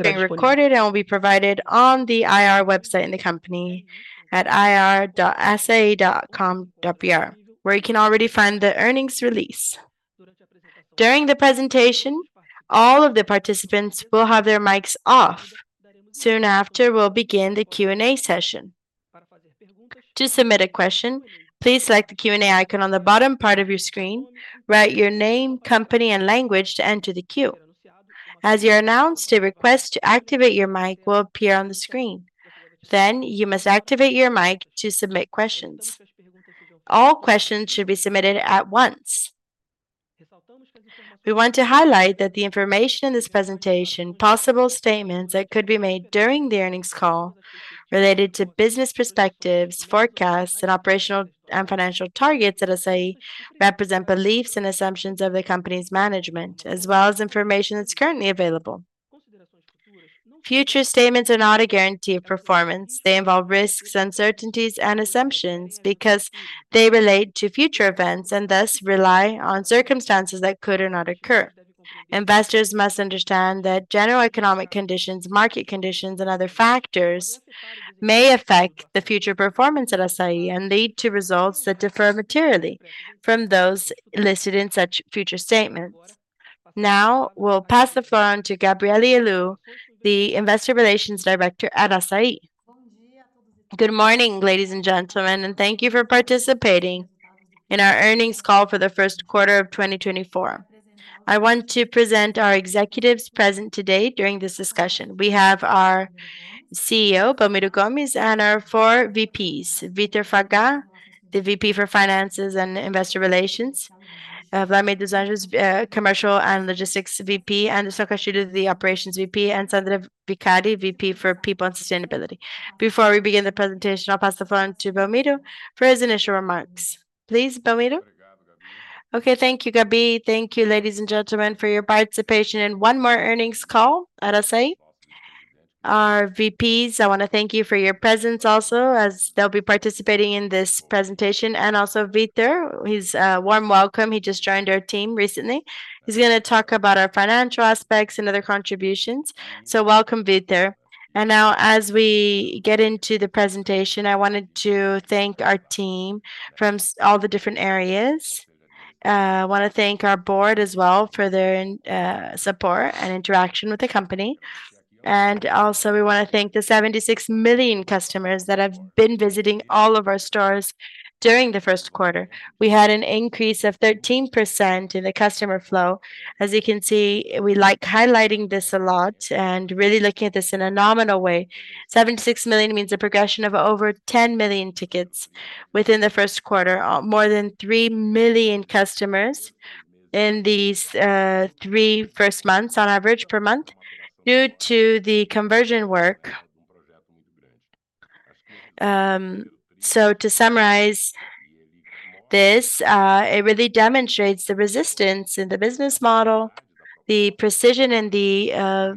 Being recorded and will be provided on the IR website in the company at ir.assai.com.br, where you can already find the earnings release. During the presentation, all of the participants will have their mics off. Soon after, we'll begin the Q&A session. To submit a question, please select the Q&A icon on the bottom part of your screen, write your name, company, and language to enter the queue. As you're announced, a request to activate your mic will appear on the screen. Then you must activate your mic to submit questions. All questions should be submitted at once. We want to highlight that the information in this presentation, possible statements that could be made during the earnings call related to business perspectives, forecasts, and operational and financial targets at Assaí represent beliefs and assumptions of the company's management, as well as information that's currently available. Future statements are not a guarantee of performance. They involve risks, uncertainties, and assumptions because they relate to future events and thus rely on circumstances that could or not occur. Investors must understand that general economic conditions, market conditions, and other factors may affect the future performance at Assaí and lead to results that differ materially from those listed in such future statements. Now we'll pass the floor on to Gabrielle Helú, the Investor Relations Director at Assaí. Good morning, ladies and gentlemen, and thank you for participating in our earnings call for the first quarter of 2024. I want to present our executives present today during this discussion. We have our CEO, Belmiro Gomes, and our four VPs, Vitor Fagá, the VP for Finances and Investor Relations, Wlamir dos Anjos, Commercial and Logistics VP, Anderson Castilho, the Operations VP, and Sandra Vicari, VP for People and Sustainability. Before we begin the presentation, I'll pass the floor on to Belmiro for his initial remarks. Please, Belmiro. Okay, thank you, Gabi. Thank you, ladies and gentlemen, for your participation in one more earnings call at Assaí. Our VPs, I want to thank you for your presence also, as they'll be participating in this presentation. Also Vitor, his warm welcome. He just joined our team recently. He's going to talk about our financial aspects and other contributions. So welcome, Vitor. Now as we get into the presentation, I wanted to thank our team from all the different areas. I want to thank our board as well for their support and interaction with the company. Also we want to thank the 76 million customers that have been visiting all of our stores during the first quarter. We had an increase of 13% in the customer flow. As you can see, we like highlighting this a lot and really looking at this in a nominal way. 76 million means a progression of over 10 million tickets within the first quarter, more than 3 million customers in these three first months, on average, per month, due to the conversion work. So to summarize this, it really demonstrates the resistance in the business model, the precision in the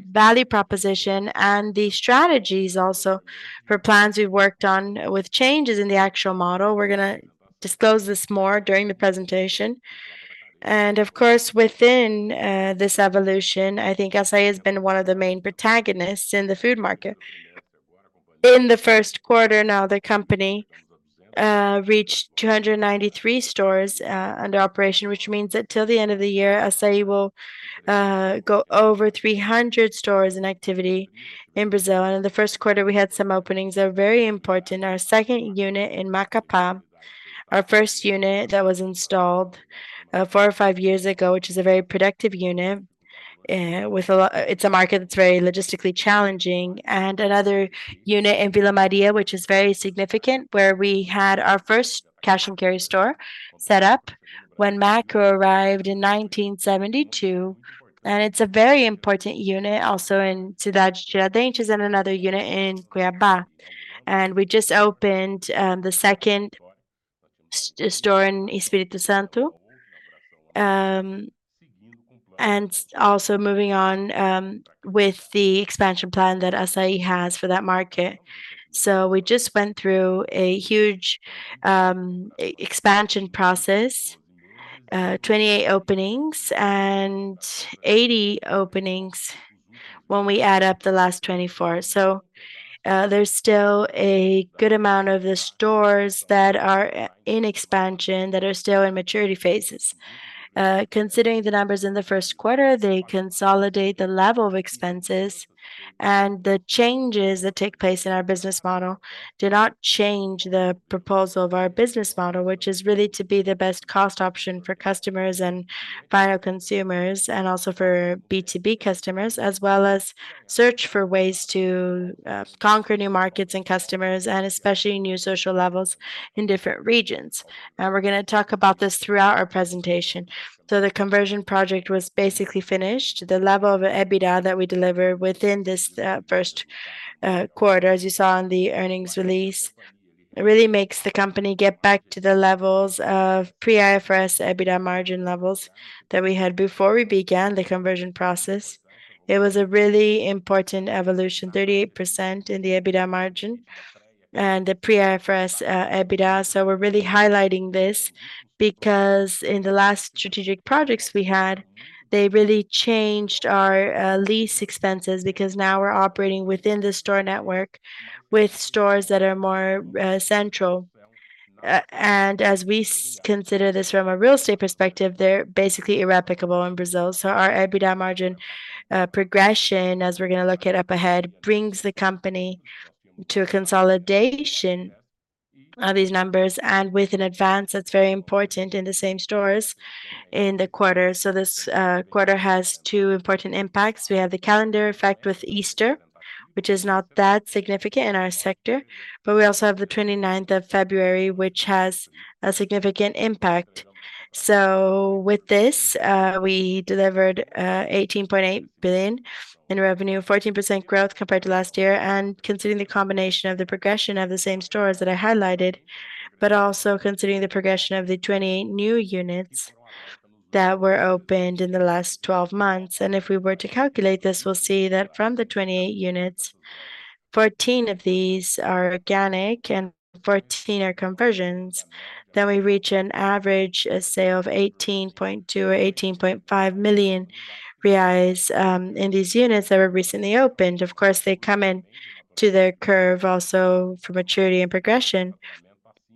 value proposition, and the strategies also for plans we've worked on with changes in the actual model. We're going to disclose this more during the presentation. And of course, within this evolution, I think Assaí has been one of the main protagonists in the food market. In the first quarter now, the company reached 293 stores under operation, which means that till the end of the year, Assaí will go over 300 stores in activity in Brazil. In the first quarter, we had some openings that are very important. Our second unit in Macapá, our first unit that was installed 4 or 5 years ago, which is a very productive unit. It's a market that's very logistically challenging. Another unit in Vila Maria, which is very significant, where we had our first cash and carry store set up when Makro arrived in 1972. It's a very important unit also in Cidade de Anjos and another unit in Cuiabá. We just opened the second store in Espírito Santo. Also moving on with the expansion plan that Assaí has for that market. We just went through a huge expansion process, 28 openings and 80 openings when we add up the last 24. There's still a good amount of the stores that are in expansion that are still in maturity phases. Considering the numbers in the first quarter, they consolidate the level of expenses. The changes that take place in our business model do not change the proposal of our business model, which is really to be the best cost option for customers and final consumers and also for B2B customers, as well as search for ways to conquer new markets and customers, and especially new social levels in different regions. We're going to talk about this throughout our presentation. The conversion project was basically finished. The level of EBITDA that we delivered within this first quarter, as you saw in the earnings release, really makes the company get back to the levels of pre-IFRS EBITDA margin levels that we had before we began the conversion process. It was a really important evolution, 38% in the EBITDA margin and the pre-IFRS EBITDA. So we're really highlighting this because in the last strategic projects we had, they really changed our lease expenses because now we're operating within the store network with stores that are more central. As we consider this from a real estate perspective, they're basically irreplicable in Brazil. Our EBITDA margin progression, as we're going to look at up ahead, brings the company to a consolidation of these numbers. With an advance, that's very important in the same stores in the quarter. This quarter has two important impacts. We have the calendar effect with Easter, which is not that significant in our sector. We also have the 29th of February, which has a significant impact. With this, we delivered 18.8 billion in revenue, 14% growth compared to last year. Considering the combination of the progression of the same-store sales that I highlighted, but also considering the progression of the 28 new units that were opened in the last 12 months. If we were to calculate this, we'll see that from the 28 units, 14 of these are organic and 14 are conversions. We reach an average sale of 18.2 million-18.5 million reais in these units that were recently opened. Of course, they come into their curve also for maturity and progression,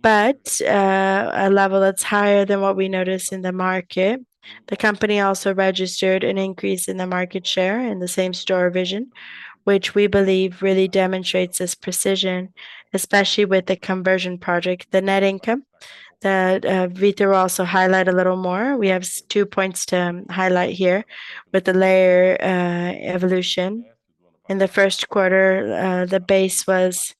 but a level that's higher than what we noticed in the market. The company also registered an increase in the market share in the same-store sales, which we believe really demonstrates this precision, especially with the conversion project, the net income that Vitor will also highlight a little more. We have two points to highlight here with the LAIR evolution. In the first quarter, the base was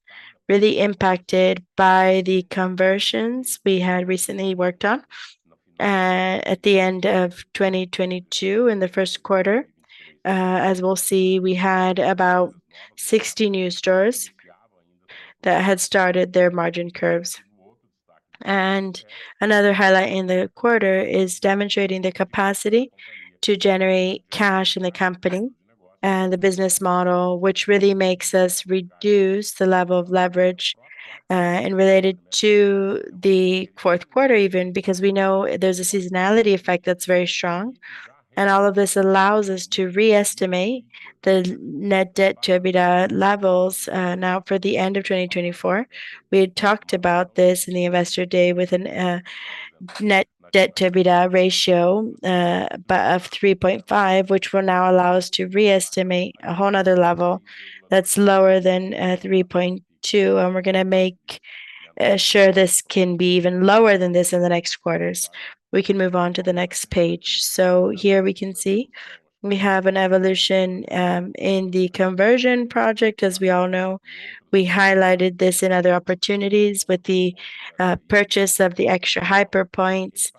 really impacted by the conversions we had recently worked on at the end of 2022 in the first quarter. As we'll see, we had about 60 new stores that had started their margin curves. Another highlight in the quarter is demonstrating the capacity to generate cash in the company and the business model, which really makes us reduce the level of leverage related to the fourth quarter even because we know there's a seasonality effect that's very strong. All of this allows us to re-estimate the net debt to EBITDA levels now for the end of 2024. We had talked about this in the investor day with a net debt to EBITDA ratio of 3.5, which now allows us to re-estimate a whole nother level that's lower than 3.2. And we're going to make sure this can be even lower than this in the next quarters. We can move on to the next page. So here we can see we have an evolution in the conversion project. As we all know, we highlighted this in other opportunities with the purchase of the Extra Hiper points.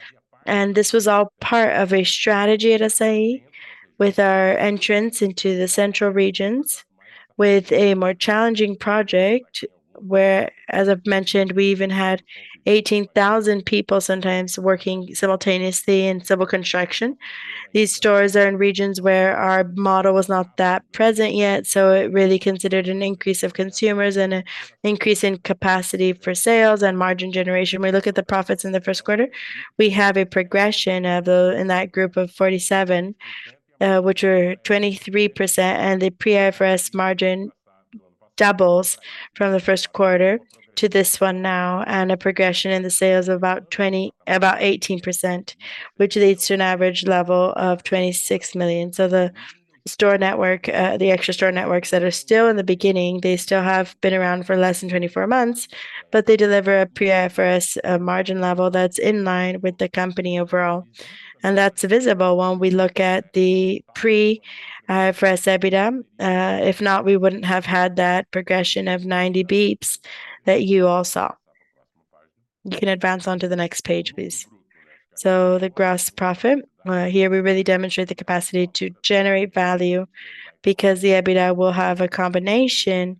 And this was all part of a strategy at Assaí with our entrance into the central regions with a more challenging project where, as I've mentioned, we even had 18,000 people sometimes working simultaneously in civil construction. These stores are in regions where our model was not that present yet. So it really considered an increase of consumers and an increase in capacity for sales and margin generation. When we look at the profits in the first quarter, we have a progression in that group of 47, which were 23%. The pre-IFRS margin doubles from the first quarter to this one now and a progression in the sales of about 18%, which leads to an average level of 26 million. So the store network, the extra store networks that are still in the beginning, they still have been around for less than 24 months, but they deliver a pre-IFRS margin level that's in line with the company overall. And that's visible when we look at the pre-IFRS EBITDA. If not, we wouldn't have had that progression of 90 basis points that you all saw. You can advance on to the next page, please. So the gross profit here, we really demonstrate the capacity to generate value because the EBITDA will have a combination.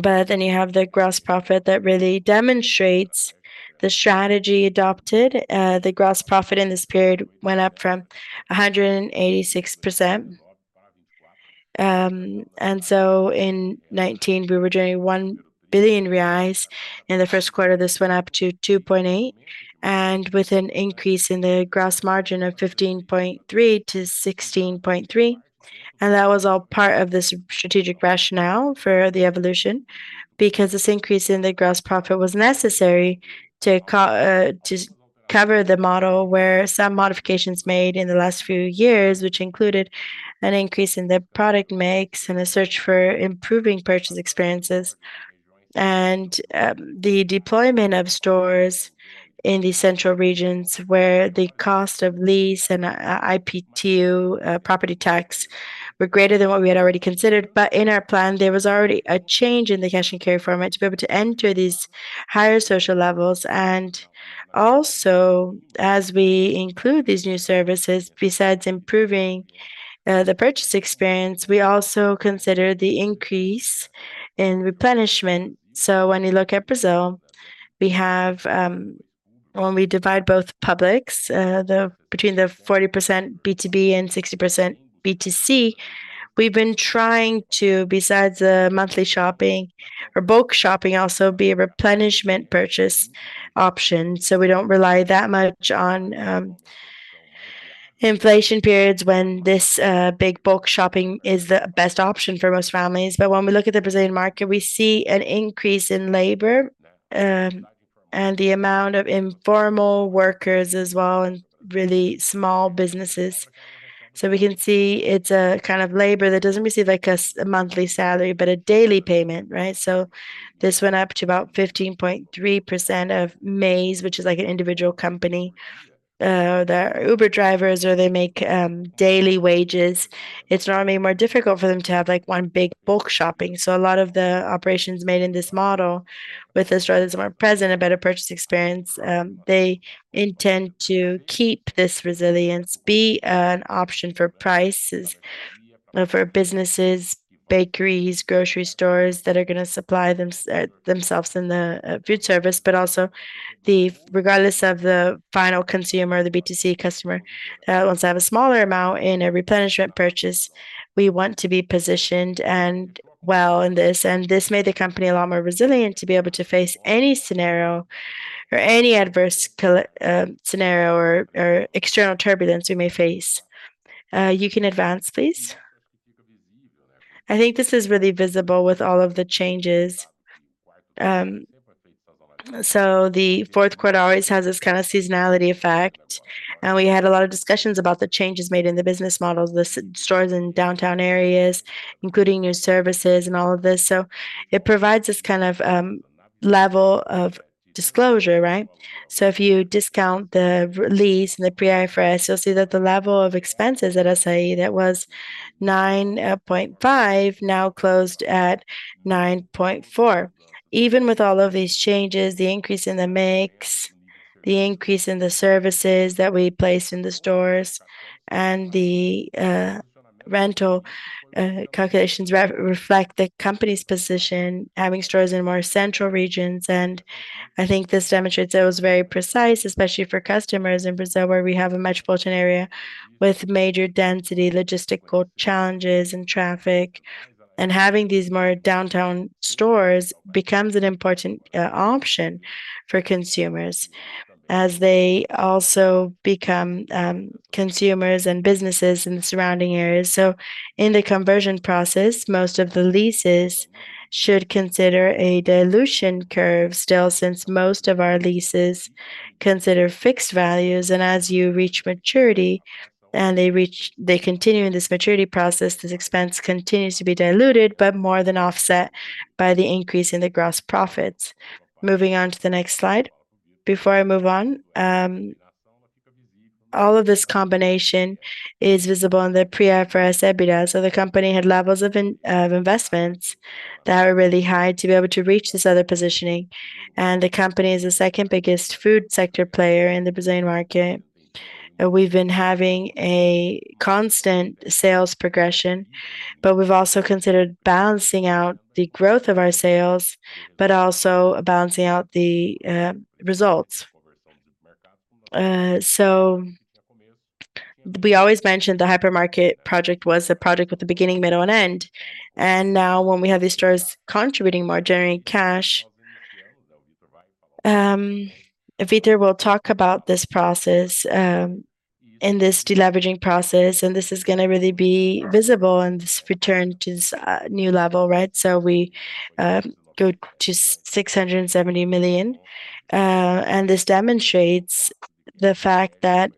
But then you have the gross profit that really demonstrates the strategy adopted. The gross profit in this period went up from 186%. In 2019, we were generating 1 billion reais. In the first quarter, this went up to 2.8 billion and with an increase in the gross margin of 15.3%-16.3%. That was all part of this strategic rationale for the evolution because this increase in the gross profit was necessary to cover the model where some modifications made in the last few years, which included an increase in the product mix and a search for improving purchase experiences and the deployment of stores in the central regions where the cost of lease and IPTU, property tax were greater than what we had already considered. But in our plan, there was already a change in the cash and carry format to be able to enter these higher social levels. Also as we include these new services, besides improving the purchase experience, we also consider the increase in replenishment. So when you look at Brazil, when we divide both publics between the 40% B2B and 60% B2C, we've been trying to, besides the monthly shopping or bulk shopping, also be a replenishment purchase option. So we don't rely that much on inflation periods when this big bulk shopping is the best option for most families. But when we look at the Brazilian market, we see an increase in labor and the amount of informal workers as well and really small businesses. So we can see it's a kind of labor that doesn't receive a monthly salary, but a daily payment, right? So this went up to about 15.3% of MEIs, which is like an individual company that Uber drivers or they make daily wages. It's normally more difficult for them to have one big bulk shopping. So a lot of the operations made in this model with the stores that are more present, a better purchase experience, they intend to keep this resilience, be an option for prices for businesses, bakeries, grocery stores that are going to supply themselves in the food service. But also regardless of the final consumer, the B2C customer, once they have a smaller amount in a replenishment purchase, we want to be positioned well in this. And this made the company a lot more resilient to be able to face any scenario or any adverse scenario or external turbulence we may face. You can advance, please. I think this is really visible with all of the changes. So the fourth quarter always has this kind of seasonality effect. We had a lot of discussions about the changes made in the business models, the stores in downtown areas, including new services and all of this. It provides this kind of level of disclosure, right? If you discount the lease and the pre-IFRS, you'll see that the level of expenses at Assaí that was 9.5% now closed at 9.4%. Even with all of these changes, the increase in the mix, the increase in the services that we placed in the stores and the rental calculations reflect the company's position having stores in more central regions. I think this demonstrates it was very precise, especially for customers in Brazil where we have a metropolitan area with major density, logistical challenges, and traffic. Having these more downtown stores becomes an important option for consumers as they also become consumers and businesses in the surrounding areas. So in the conversion process, most of the leases should consider a dilution curve still since most of our leases consider fixed values. And as you reach maturity and they continue in this maturity process, this expense continues to be diluted but more than offset by the increase in the gross profits. Moving on to the next slide. Before I move on, all of this combination is visible in the pre-IFRS EBITDA. So the company had levels of investments that were really high to be able to reach this other positioning. And the company is the second biggest food sector player in the Brazilian market. We've been having a constant sales progression, but we've also considered balancing out the growth of our sales, but also balancing out the results. So we always mentioned the hypermarket project was a project with a beginning, middle, and end. And now when we have these stores contributing more, generating cash, Vitor will talk about this process in this deleveraging process. And this is going to really be visible and return to this new level, right? So we go to 670 million. And this demonstrates the fact that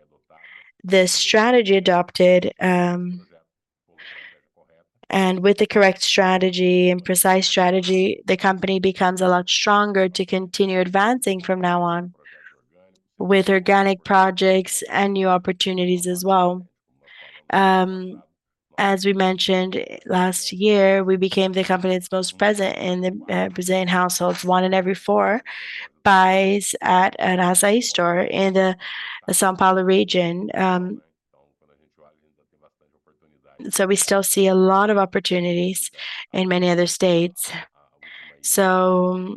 the strategy adopted and with the correct strategy and precise strategy, the company becomes a lot stronger to continue advancing from now on with organic projects and new opportunities as well. As we mentioned last year, we became the company that's most present in the Brazilian households. One in every four buys at an Assaí store in the São Paulo region. So we still see a lot of opportunities in many other states. So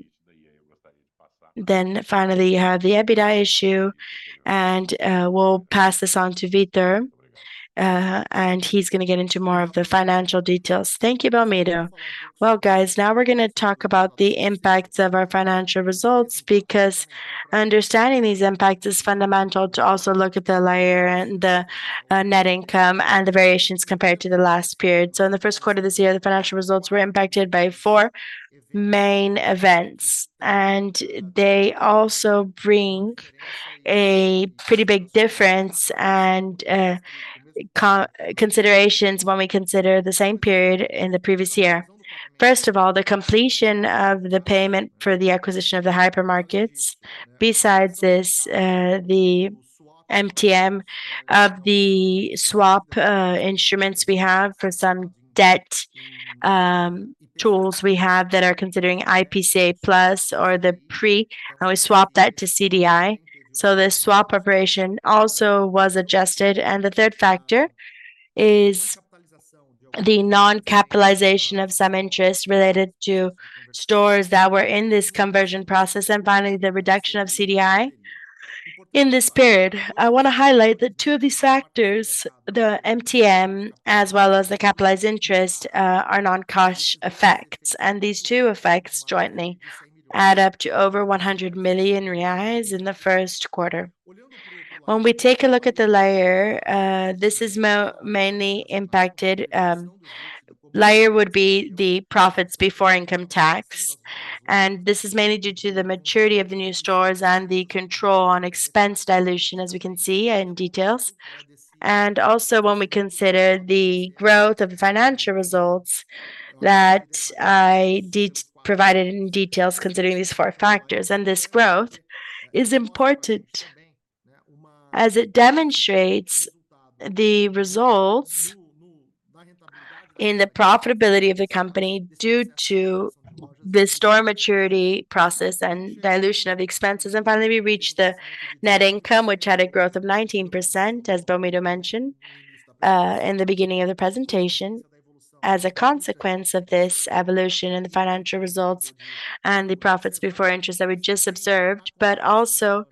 then finally, you have the EBITDA issue. And we'll pass this on to Vitor. And he's going to get into more of the financial details. Thank you, Belmiro. Well, guys, now we're going to talk about the impacts of our financial results because understanding these impacts is fundamental to also look at the LAIR and the net income and the variations compared to the last period. So in the first quarter of this year, the financial results were impacted by four main events. And they also bring a pretty big difference and considerations when we consider the same period in the previous year. First of all, the completion of the payment for the acquisition of the hypermarkets. Besides this, the MTM of the swap instruments we have for some debt tools we have that are considering IPCA+ or the prefixed, and we swapped that to CDI. So the swap operation also was adjusted. And the third factor is the non-capitalization of some interest related to stores that were in this conversion process. Finally, the reduction of CDI in this period. I want to highlight that two of these factors, the MTM as well as the capitalized interest, are non-cost effects. These two effects jointly add up to over 100 million reais in the first quarter. When we take a look at the LAIR, this is mainly impacted. LAIR would be the profits before income tax. This is mainly due to the maturity of the new stores and the control on expense dilution, as we can see in detail. Also, when we consider the growth of the financial results that I provided in detail considering these four factors. This growth is important as it demonstrates the results in the profitability of the company due to the store maturity process and dilution of the expenses. Finally, we reach the net income, which had a growth of 19%, as Belmiro mentioned in the beginning of the presentation, as a consequence of this evolution in the financial results and the profits before interest that we just observed. But also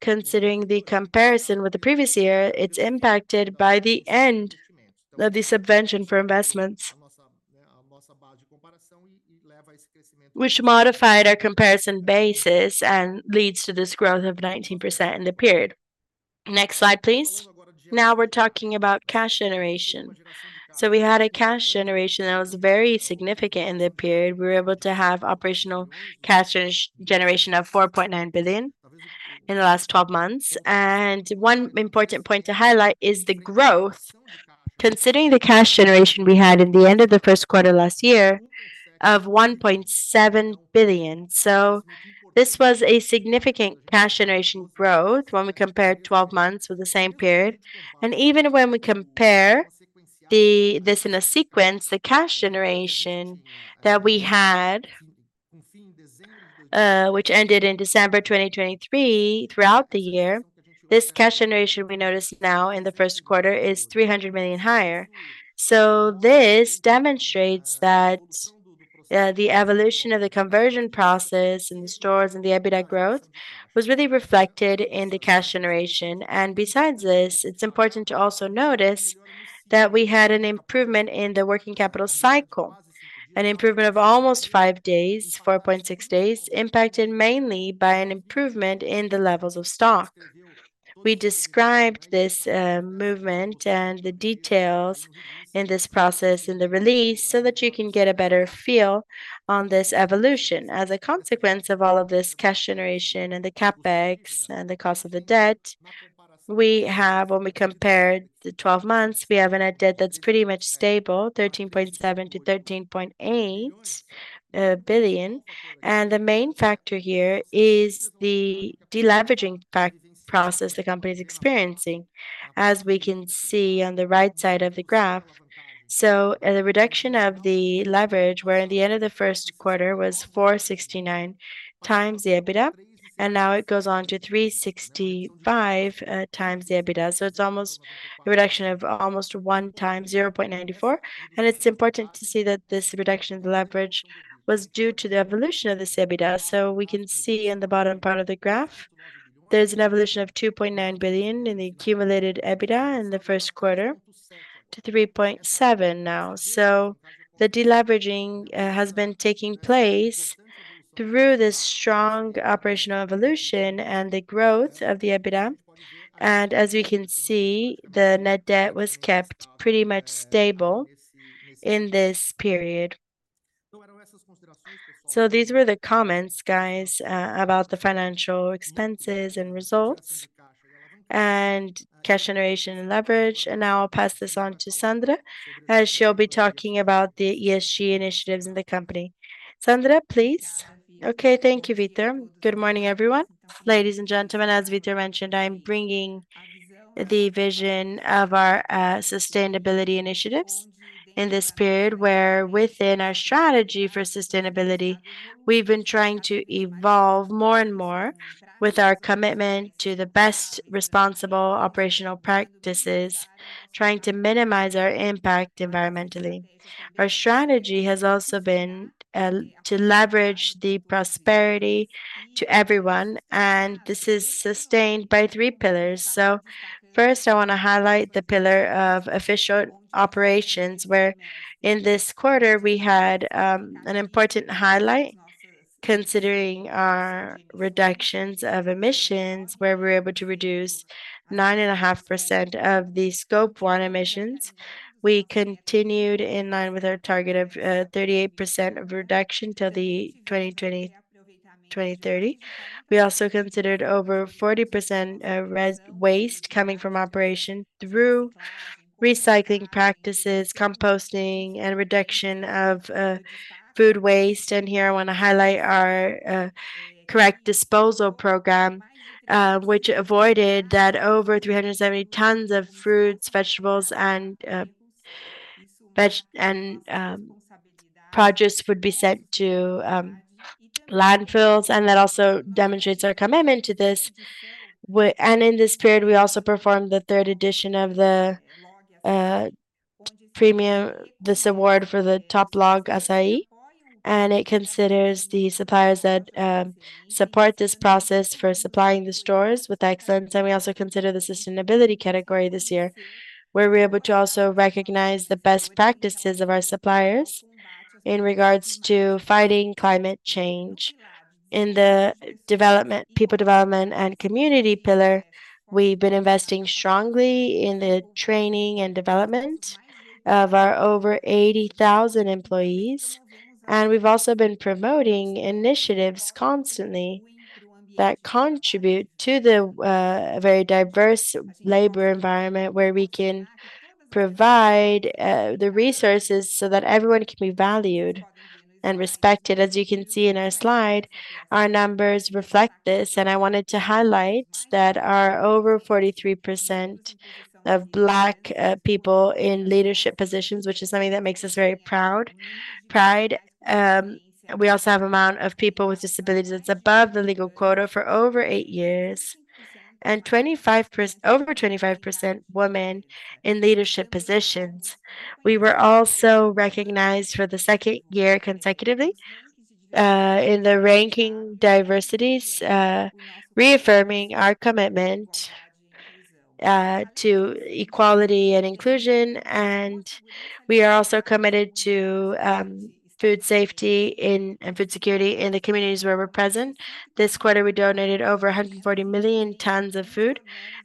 considering the comparison with the previous year, it's impacted by the end of the subvention for investments, which modified our comparison basis and leads to this growth of 19% in the period. Next slide, please. Now we're talking about cash generation. We had a cash generation that was very significant in the period. We were able to have operational cash generation of 4.9 billion in the last 12 months. One important point to highlight is the growth considering the cash generation we had at the end of the first quarter last year of 1.7 billion. So this was a significant cash generation growth when we compared 12 months with the same period. And even when we compare this in a sequence, the cash generation that we had, which ended in December 2023 throughout the year, this cash generation we notice now in the first quarter is 300 million higher. So this demonstrates that the evolution of the conversion process and the stores and the EBITDA growth was really reflected in the cash generation. And besides this, it's important to also notice that we had an improvement in the working capital cycle, an improvement of almost 5 days, 4.6 days, impacted mainly by an improvement in the levels of stock. We described this movement and the details in this process in the release so that you can get a better feel on this evolution. As a consequence of all of this cash generation and the Capex and the cost of the debt, when we compared the 12 months, we have a net debt that's pretty much stable, 13.7 billion-13.8 billion. The main factor here is the deleveraging process the company is experiencing, as we can see on the right side of the graph. The reduction of the leverage, where at the end of the first quarter was 4.69x the EBITDA, and now it goes on to 3.65x the EBITDA. It's almost a reduction of almost 1.04x. It's important to see that this reduction in the leverage was due to the evolution of this EBITDA. We can see in the bottom part of the graph, there's an evolution of 2.9 billion in the accumulated EBITDA in the first quarter to 3.7 billion now. So the deleveraging has been taking place through this strong operational evolution and the growth of the EBITDA. And as we can see, the net debt was kept pretty much stable in this period. So these were the comments, guys, about the financial expenses and results and cash generation and leverage. And now I'll pass this on to Sandra as she'll be talking about the ESG initiatives in the company. Sandra, please. Okay, thank you, Vitor. Good morning, everyone. Ladies and gentlemen, as Vitor mentioned, I'm bringing the vision of our sustainability initiatives in this period where within our strategy for sustainability, we've been trying to evolve more and more with our commitment to the best responsible operational practices, trying to minimize our impact environmentally. Our strategy has also been to leverage the prosperity to everyone. And this is sustained by three pillars. So first, I want to highlight the pillar of official operations where in this quarter, we had an important highlight considering our reductions of emissions where we were able to reduce 9.5% of the scope one emissions. We continued in line with our target of 38% reduction till the 2020-2030. We also considered over 40% of waste coming from operation through recycling practices, composting, and reduction of food waste. And here I want to highlight our correct disposal program, which avoided that over 370 tons of fruits, vegetables, and produce would be sent to landfills. And that also demonstrates our commitment to this. And in this period, we also performed the third edition of this award for the Top Log Assaí. And it considers the suppliers that support this process for supplying the stores with excellence. And we also consider the sustainability category this year where we're able to also recognize the best practices of our suppliers in regards to fighting climate change. In the people development and community pillar, we've been investing strongly in the training and development of our over 80,000 employees. And we've also been promoting initiatives constantly that contribute to the very diverse labor environment where we can provide the resources so that everyone can be valued and respected. As you can see in our slide, our numbers reflect this. And I wanted to highlight that our over 43% of Black people in leadership positions, which is something that makes us very proud. We also have an amount of people with disabilities that's above the legal quota for over 8 years and over 25% women in leadership positions. We were also recognized for the second year consecutively in the Ranking Diversidade, reaffirming our commitment to equality and inclusion. We are also committed to food safety and food security in the communities where we're present. This quarter, we donated over 140 million tons of food.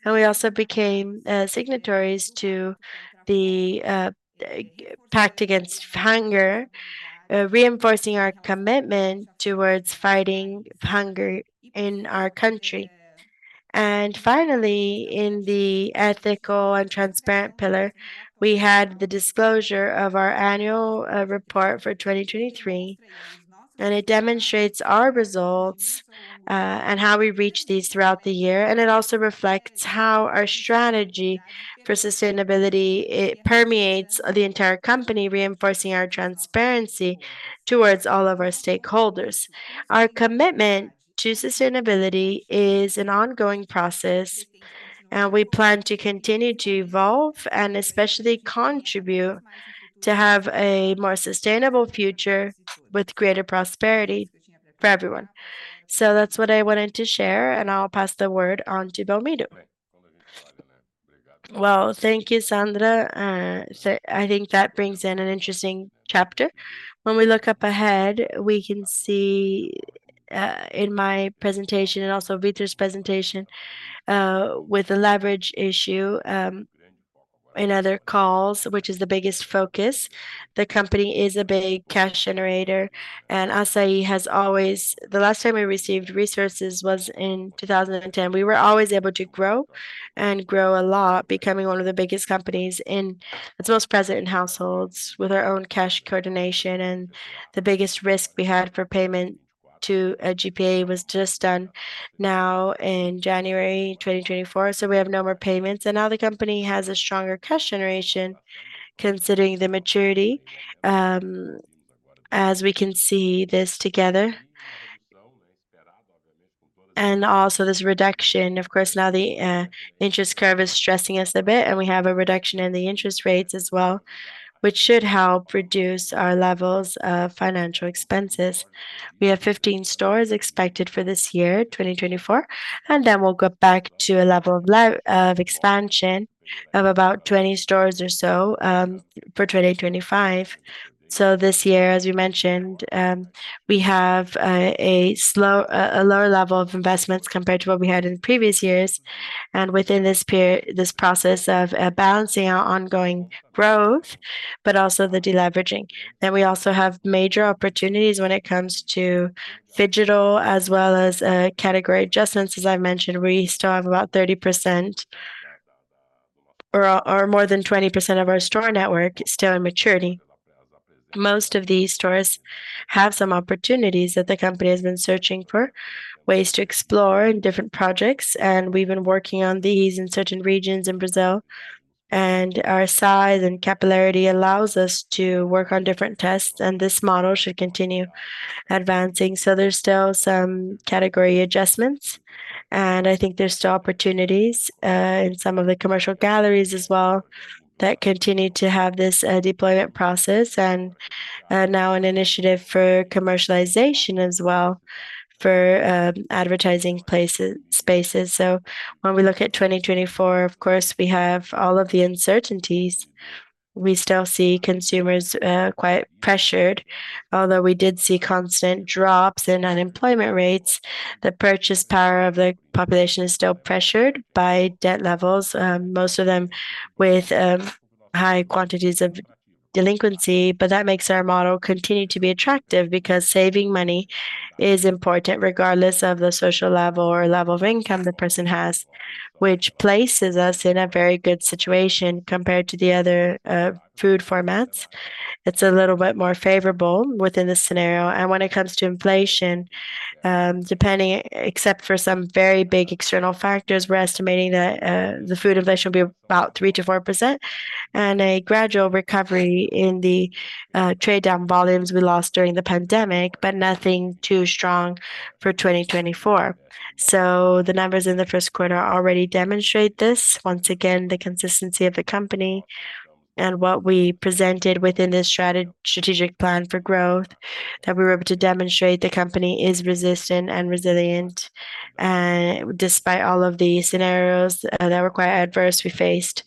We also became signatories to the Pact Against Hunger, reinforcing our commitment towards fighting hunger in our country. Finally, in the ethical and transparent pillar, we had the disclosure of our annual report for 2023. It demonstrates our results and how we reach these throughout the year. It also reflects how our strategy for sustainability permeates the entire company, reinforcing our transparency towards all of our stakeholders. Our commitment to sustainability is an ongoing process. We plan to continue to evolve and especially contribute to have a more sustainable future with greater prosperity for everyone. So that's what I wanted to share. I'll pass the word on to Belmiro. Well, thank you, Sandra. I think that brings in an interesting chapter. When we look up ahead, we can see in my presentation and also Vitor's presentation with the leverage issue in other calls, which is the biggest focus. The company is a big cash generator. And Assaí has always the last time we received resources was in 2010. We were always able to grow and grow a lot, becoming one of the biggest companies that's most present in households with our own cash coordination. And the biggest risk we had for payment to GPA was just done now in January 2024. So we have no more payments. And now the company has a stronger cash generation considering the maturity, as we can see this together. And also this reduction. Of course, now the interest curve is stressing us a bit. And we have a reduction in the interest rates as well, which should help reduce our levels of financial expenses. We have 15 stores expected for this year, 2024. And then we'll go back to a level of expansion of about 20 stores or so for 2025. So this year, as we mentioned, we have a lower level of investments 15compared to what we had in previous years. And within this process of balancing our ongoing growth, but also the deleveraging. And we also have major opportunities when it comes to Fidelidade as well as category adjustments. As I mentioned, we still have about 30% or more than 20% of our store network still in maturity. Most of these stores have some opportunities that the company has been searching for ways to explore in different projects. We've been working on these in certain regions in Brazil. Our size and capillarity allows us to work on different tests. This model should continue advancing. There's still some category adjustments. I think there's still opportunities in some of the commercial galleries as well that continue to have this deployment process and now an initiative for commercialization as well for advertising spaces. When we look at 2024, of course, we have all of the uncertainties. We still see consumers quite pressured, although we did see constant drops in unemployment rates. The purchasing power of the population is still pressured by debt levels, most of them with high quantities of delinquency. But that makes our model continue to be attractive because saving money is important regardless of the social level or level of income the person has, which places us in a very good situation compared to the other food formats. It's a little bit more favorable within this scenario. And when it comes to inflation, except for some very big external factors, we're estimating that the food inflation will be about 3%-4% and a gradual recovery in the trade-down volumes we lost during the pandemic, but nothing too strong for 2024. So the numbers in the first quarter already demonstrate this. Once again, the consistency of the company and what we presented within this strategic plan for growth, that we were able to demonstrate the company is resistant and resilient despite all of the scenarios that were quite adverse we faced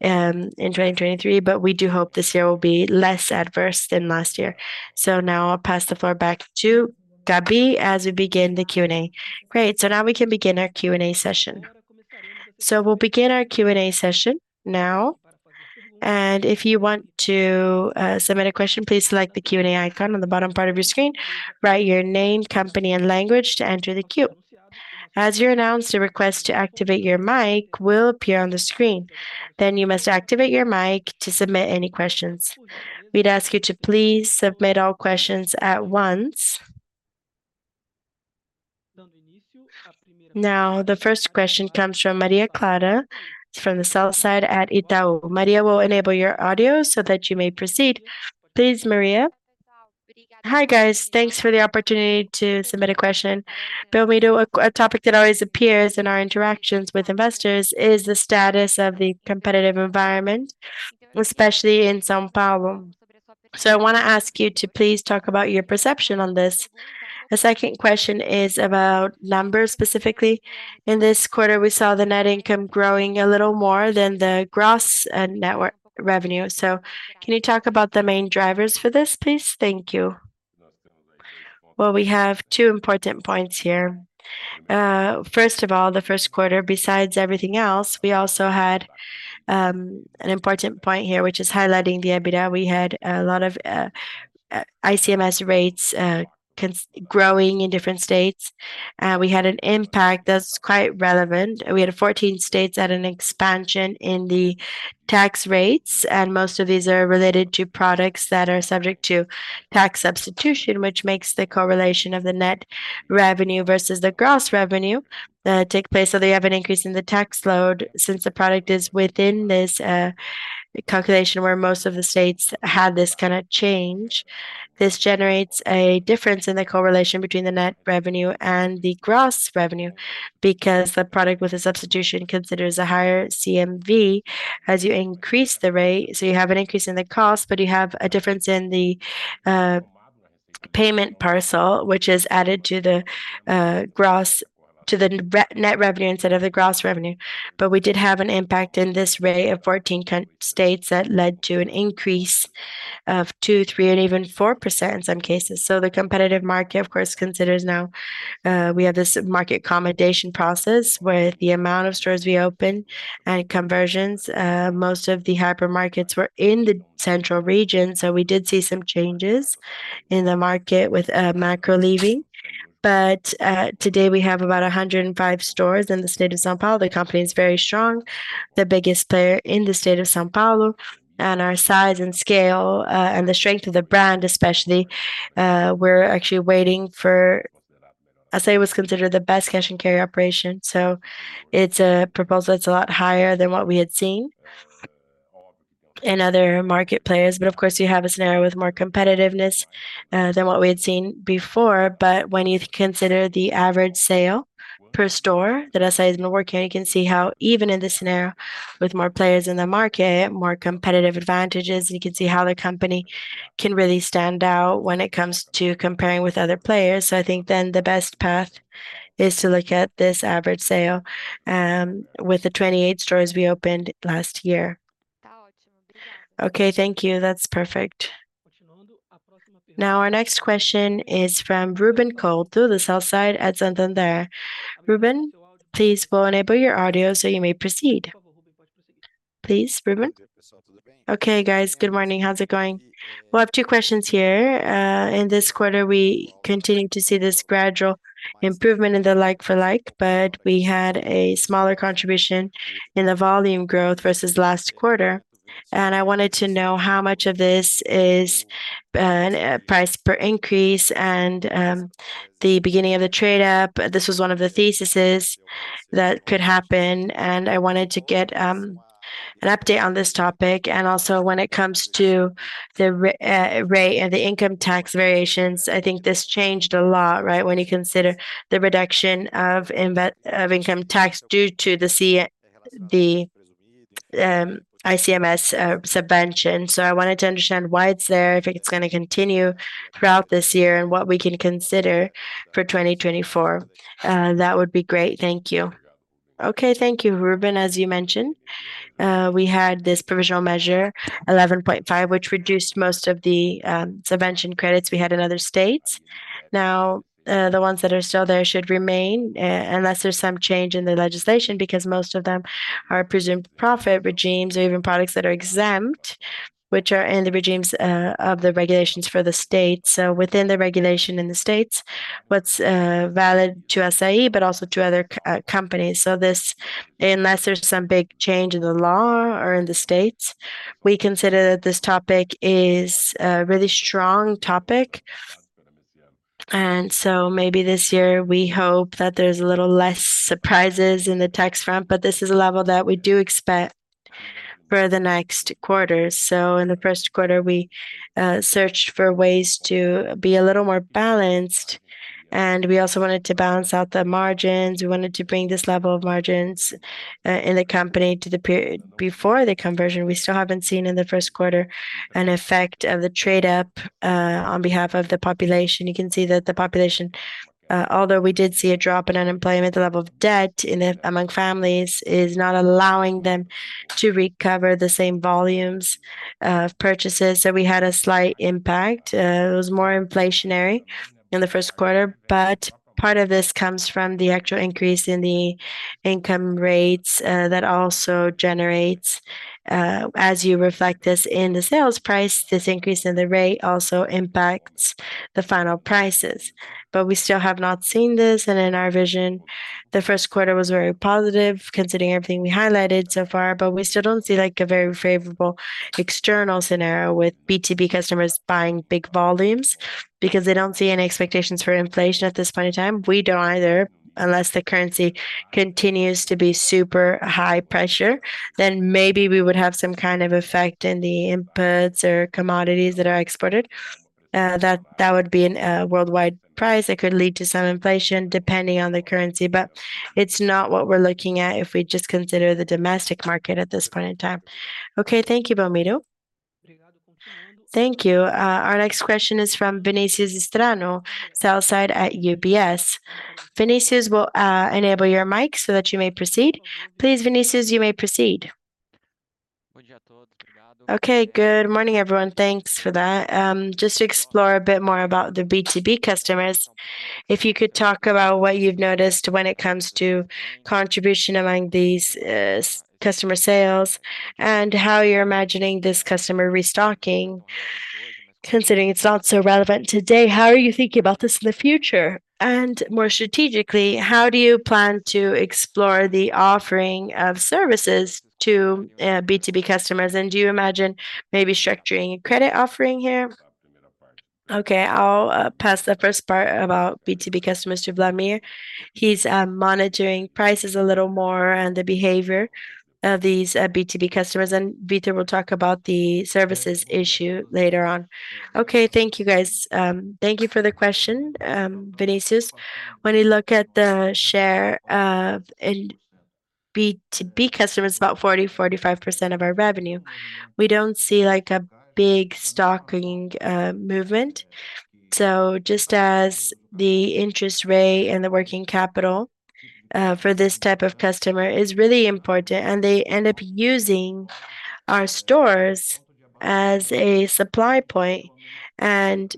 in 2023. But we do hope this year will be less adverse than last year. So now I'll pass the floor back to Gabi as we begin the Q&A. Great. So now we can begin our Q&A session. So we'll begin our Q&A session now. And if you want to submit a question, please select the Q&A icon on the bottom part of your screen, write your name, company, and language to enter the queue. As you're announced, a request to activate your mic will appear on the screen. Then you must activate your mic to submit any questions. We'd ask you to please submit all questions at once. Now, the first question comes from Maria Clara Infantozzi at Itaú BBA. Maria will enable your audio so that you may proceed. Please, Maria. Hi, guys. Thanks for the opportunity to submit a question. Belmiro, a topic that always appears in our interactions with investors is the status of the competitive environment, especially in São Paulo. So I want to ask you to please talk about your perception on this. The second question is about numbers specifically. In this quarter, we saw the net income growing a little more than the gross net revenue. So can you talk about the main drivers for this, please? Thank you. Well, we have two important points here. First of all, the first quarter, besides everything else, we also had an important point here, which is highlighting the EBITDA. We had a lot of ICMS rates growing in different states. We had an impact that's quite relevant. We had 14 states at an expansion in the tax rates. Most of these are related to products that are subject to Tax Substitution, which makes the correlation of the net revenue versus the gross revenue take place. They have an increase in the tax load since the product is within this calculation where most of the states had this kind of change. This generates a difference in the correlation between the net revenue and the gross revenue because the product with a substitution considers a higher CMV. As you increase the rate, so you have an increase in the cost, but you have a difference in the payment parcel, which is added to the net revenue instead of the gross revenue. We did have an impact in this rate of 14 states that led to an increase of 2, 3, and even 4% in some cases. So the competitive market, of course, considers now we have this market accommodation process with the amount of stores we open and conversions. Most of the hypermarkets were in the central region. So we did see some changes in the market with Makro leaving. But today, we have about 105 stores in the state of São Paulo. The company is very strong, the biggest player in the state of São Paulo. And our size and scale and the strength of the brand, especially, we're actually waiting for Assaí was considered the best cash and carry operation. So it's a proposal that's a lot higher than what we had seen in other market players. But of course, you have a scenario with more competitiveness than what we had seen before. But when you consider the average sale per store that Assaí has been working on, you can see how even in this scenario with more players in the market, more competitive advantages, and you can see how the company can really stand out when it comes to comparing with other players. So I think then the best path is to look at this average sale with the 28 stores we opened last year. Okay. Thank you. That's perfect. Now, our next question is from Ruben Couto at Santander. Ruben, please, we'll enable your audio so you may proceed. Please, Ruben. Okay, guys. Good morning. How's it going? We'll have two questions here. In this quarter, we continue to see this gradual improvement in the like-for-like, but we had a smaller contribution in the volume growth versus last quarter. I wanted to know how much of this is price per increase and the beginning of the trade-up. This was one of the theses that could happen. I wanted to get an update on this topic. Also, when it comes to the rate and the income tax variations, I think this changed a lot, right, when you consider the reduction of income tax due to the ICMS subvention. I wanted to understand why it's there, if it's going to continue throughout this year, and what we can consider for 2024. That would be great. Thank you. Okay. Thank you, Ruben. As you mentioned, we had this provisional measure, 11.5, which reduced most of the subvention credits we had in other states. Now, the ones that are still there should remain unless there's some change in the legislation because most of them are presumed profit regimes or even products that are exempt, which are in the regimes of the regulations for the states. So within the regulation in the states, what's valid to Assaí but also to other companies? So unless there's some big change in the law or in the states, we consider that this topic is a really strong topic. And so maybe this year, we hope that there's a little less surprises in the tax front. But this is a level that we do expect for the next quarter. So in the first quarter, we searched for ways to be a little more balanced. And we also wanted to balance out the margins. We wanted to bring this level of margins in the company to the period before the conversion. We still haven't seen, in the first quarter, an effect of the trade-up on behalf of the population. You can see that the population, although we did see a drop in unemployment, the level of debt among families is not allowing them to recover the same volumes of purchases. So we had a slight impact. It was more inflationary in the first quarter. But part of this comes from the actual increase in the income rates that also generates, as you reflect this in the sales price, this increase in the rate also impacts the final prices. But we still have not seen this. In our vision, the first quarter was very positive, considering everything we highlighted so far. But we still don't see a very favorable external scenario with B2B customers buying big volumes because they don't see any expectations for inflation at this point in time. We don't either. Unless the currency continues to be super high pressure, then maybe we would have some kind of effect in the inputs or commodities that are exported. That would be a worldwide price that could lead to some inflation depending on the currency. But it's not what we're looking at if we just consider the domestic market at this point in time. Okay. Thank you, Belmiro. Thank you. Our next question is from Vinícius Strano at UBS BB. Vinícius, we'll enable your mic so that you may proceed. Please, Vinícius, you may proceed. Okay. Good morning, everyone. Thanks for that. Just to explore a bit more about the B2B customers, if you could talk about what you've noticed when it comes to contribution among these customer sales and how you're imagining this customer restocking, considering it's not so relevant today, how are you thinking about this in the future? And more strategically, how do you plan to explore the offering of services to B2B customers? And do you imagine maybe structuring a credit offering here? Okay. I'll pass the first part about B2B customers to Wlamir. He's monitoring prices a little more and the behavior of these B2B customers. And Vitor will talk about the services issue later on. Okay. Thank you, guys. Thank you for the question, Vinícius. When you look at the share of B2B customers, about 40%-45% of our revenue. We don't see a big stocking movement. So just as the interest rate and the working capital for this type of customer is really important, and they end up using our stores as a supply point, and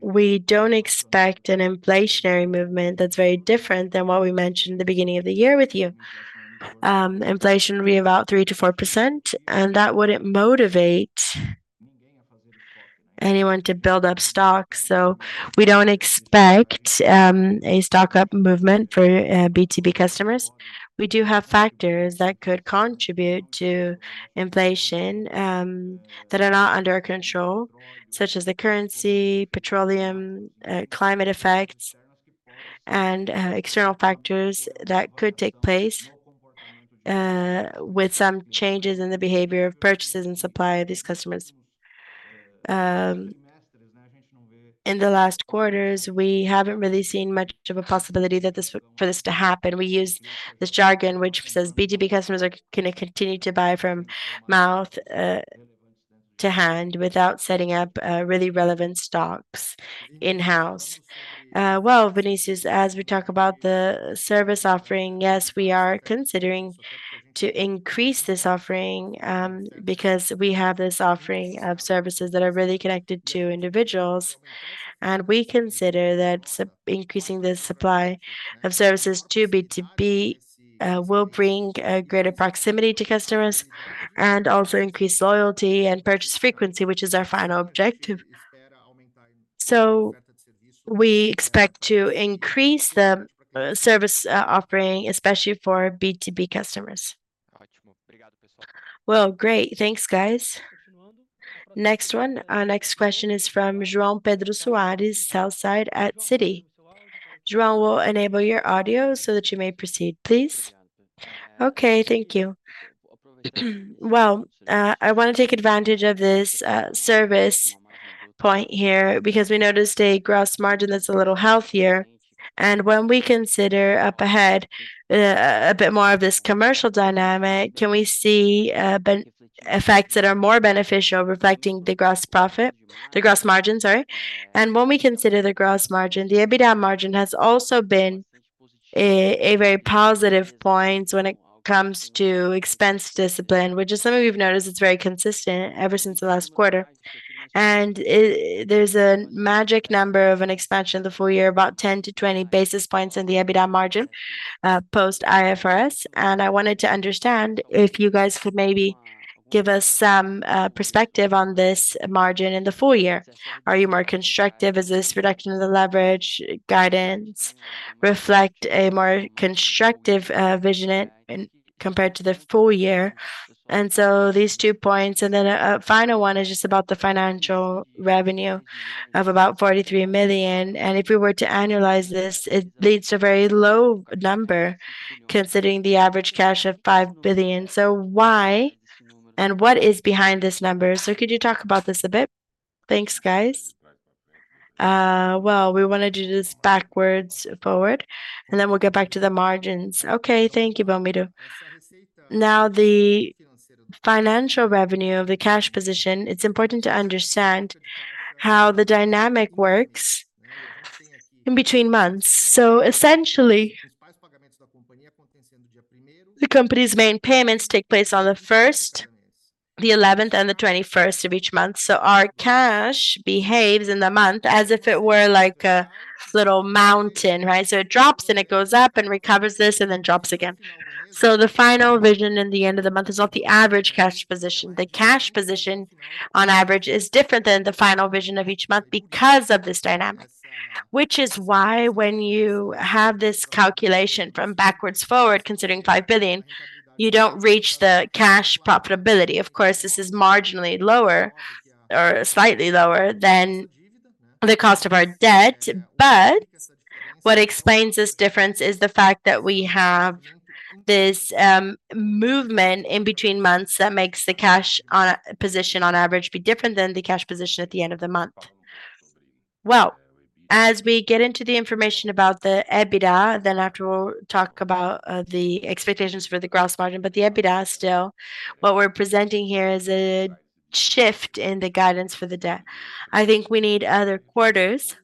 we don't expect an inflationary movement that's very different than what we mentioned in the beginning of the year with you. Inflation would be about 3%-4%. And that wouldn't motivate anyone to build up stock. So we don't expect a stock-up movement for B2B customers. We do have factors that could contribute to inflation that are not under our control, such as the currency, petroleum, climate effects, and external factors that could take place with some changes in the behavior of purchases and supply of these customers. In the last quarters, we haven't really seen much of a possibility for this to happen. We use this jargon, which says, "B2B customers are going to continue to buy from mouth to hand without setting up really relevant stocks in-house." Well, Vinicius, as we talk about the service offering, yes, we are considering to increase this offering because we have this offering of services that are really connected to individuals. And we consider that increasing the supply of services to B2B will bring greater proximity to customers and also increase loyalty and purchase frequency, which is our final objective. So we expect to increase the service offering, especially for B2B customers. Well, great. Thanks, guys. Next one. Our next question is from João Pedro Soares at Citi. João, we'll enable your audio so that you may proceed, please. Okay. Thank you. Well, I want to take advantage of this service point here because we noticed a gross margin that's a little healthier. When we consider up ahead a bit more of this commercial dynamic, can we see effects that are more beneficial reflecting the gross profit, the gross margin, sorry? When we consider the gross margin, the EBITDA margin has also been a very positive point when it comes to expense discipline, which is something we've noticed is very consistent ever since the last quarter. There's a magic number of an expansion in the full year, about 10-20 basis points in the EBITDA margin post-IFRS. I wanted to understand if you guys could maybe give us some perspective on this margin in the full year. Are you more constructive? Is this reduction in the leverage guidance reflecting a more constructive vision compared to the full year? These two points. Then a final one is just about the financial revenue of about 43 million. And if we were to annualize this, it leads to a very low number considering the average cash of 5 billion. So why and what is behind this number? So could you talk about this a bit? Thanks, guys. Well, we want to do this backwards, forward, and then we'll get back to the margins. Okay. Thank you, Belmiro. Now, the financial revenue of the cash position, it's important to understand how the dynamic works in between months. So essentially, the company's main payments take place on the 1st, the 11th, and the 21st of each month. So our cash behaves in the month as if it were like a little mountain, right? So it drops, and it goes up and recovers this and then drops again. So the final vision in the end of the month is not the average cash position. The cash position, on average, is different than the final version of each month because of this dynamic, which is why when you have this calculation from backwards forward, considering 5 billion, you don't reach the cash profitability. Of course, this is marginally lower or slightly lower than the cost of our debt. But what explains this difference is the fact that we have this movement in between months that makes the cash position, on average, be different than the cash position at the end of the month. Well, as we get into the information about the EBITDA, then after we'll talk about the expectations for the gross margin. But the EBITDA still, what we're presenting here is a shift in the guidance for the debt. I think we need other quarters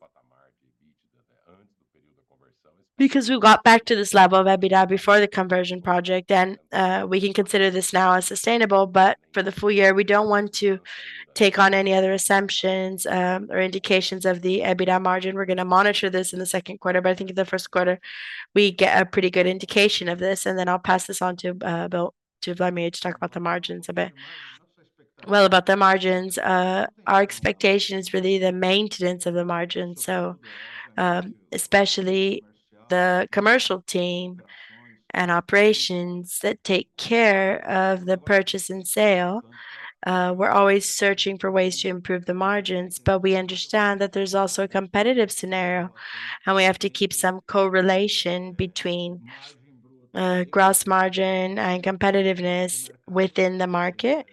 because we got back to this level of EBITDA before the conversion project. We can consider this now as sustainable. But for the full year, we don't want to take on any other assumptions or indications of the EBITDA margin. We're going to monitor this in the second quarter. But I think in the first quarter, we get a pretty good indication of this. And then I'll pass this on to Wlamir to talk about the margins a bit. Well, about the margins, our expectation is really the maintenance of the margins. So, especially the commercial team and operations that take care of the purchase and sale, we're always searching for ways to improve the margins. But we understand that there's also a competitive scenario. And we have to keep some correlation between gross margin and competitiveness within the market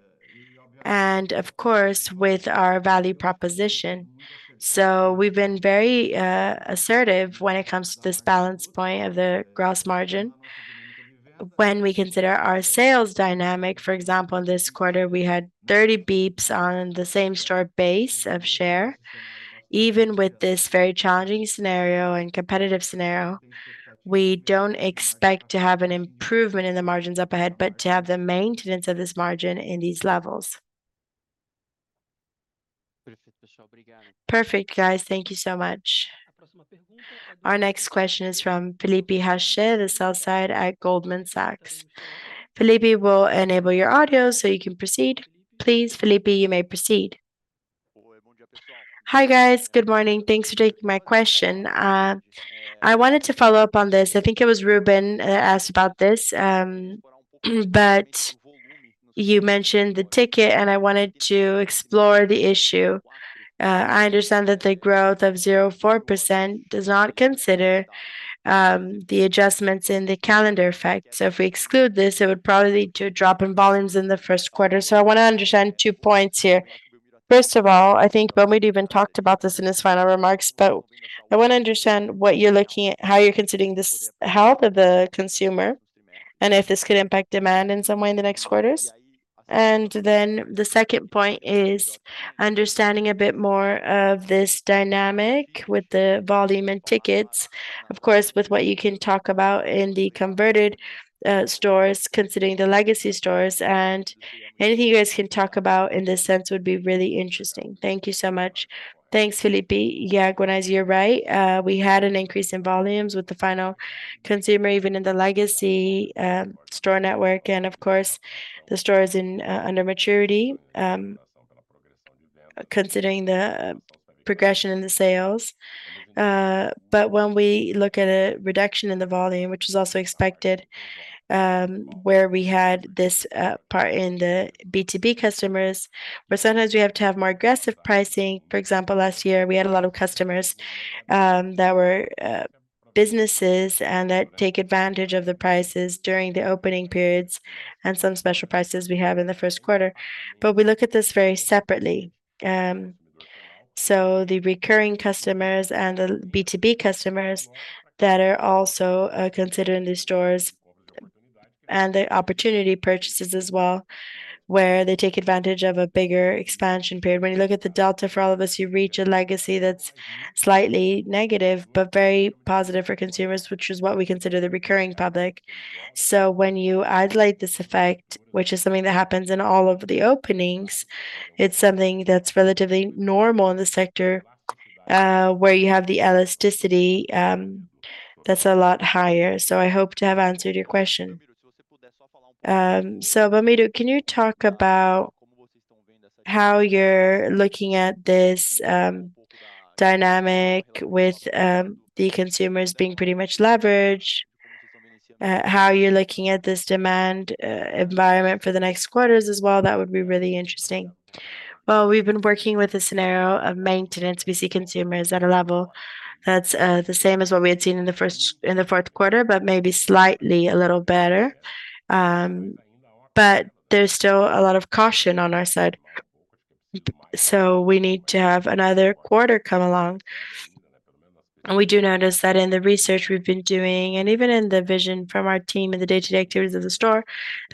and, of course, with our value proposition. So we've been very assertive when it comes to this balance point of the gross margin. When we consider our sales dynamic, for example, in this quarter, we had 30 basis points on the same-store sales. Even with this very challenging scenario and competitive scenario, we don't expect to have an improvement in the margins up ahead but to have the maintenance of this margin in these levels. Perfect, guys. Thank you so much. Our next question is from Felipe Rached, the sell-side at Goldman Sachs. Felipe, we'll enable your audio so you can proceed. Please, Felipe, you may proceed. Hi, guys. Good morning. Thanks for taking my question. I wanted to follow up on this. I think it was Ruben that asked about this. But you mentioned the ticket, and I wanted to explore the issue. I understand that the growth of 0.4% does not consider the adjustments in the calendar effect. If we exclude this, it would probably lead to a drop in volumes in the first quarter. I want to understand two points here. First of all, I think Belmiro even talked about this in his final remarks. But I want to understand how you're considering the health of the consumer and if this could impact demand in some way in the next quarters. Then the second point is understanding a bit more of this dynamic with the volume and tickets. Of course, with what you can talk about in the converted stores, considering the legacy stores. Anything you guys can talk about in this sense would be really interesting. Thank you so much. Thanks, Felipe. Yeah, Gwenaz, you're right. We had an increase in volumes with the final consumer, even in the legacy store network. Of course, the store is under maturity, considering the progression in the sales. But when we look at a reduction in the volume, which is also expected, where we had this part in the B2B customers, where sometimes we have to have more aggressive pricing. For example, last year, we had a lot of customers that were businesses and that take advantage of the prices during the opening periods and some special prices we have in the first quarter. But we look at this very separately. So the recurring customers and the B2B customers that are also considering the stores and the opportunity purchases as well, where they take advantage of a bigger expansion period. When you look at the delta for all of us, you reach a legacy that's slightly negative but very positive for consumers, which is what we consider the recurring public. So when you isolate this effect, which is something that happens in all of the openings, it's something that's relatively normal in the sector where you have the elasticity that's a lot higher. So I hope to have answered your question. So, Belmiro, can you talk about how you're looking at this dynamic with the consumers being pretty much leveraged, how you're looking at this demand environment for the next quarters as well? That would be really interesting. Well, we've been working with a scenario of maintenance. We see consumers at a level that's the same as what we had seen in the fourth quarter, but maybe slightly a little better. But there's still a lot of caution on our side. So we need to have another quarter come along. And we do notice that in the research we've been doing and even in the vision from our team in the day-to-day activities of the store,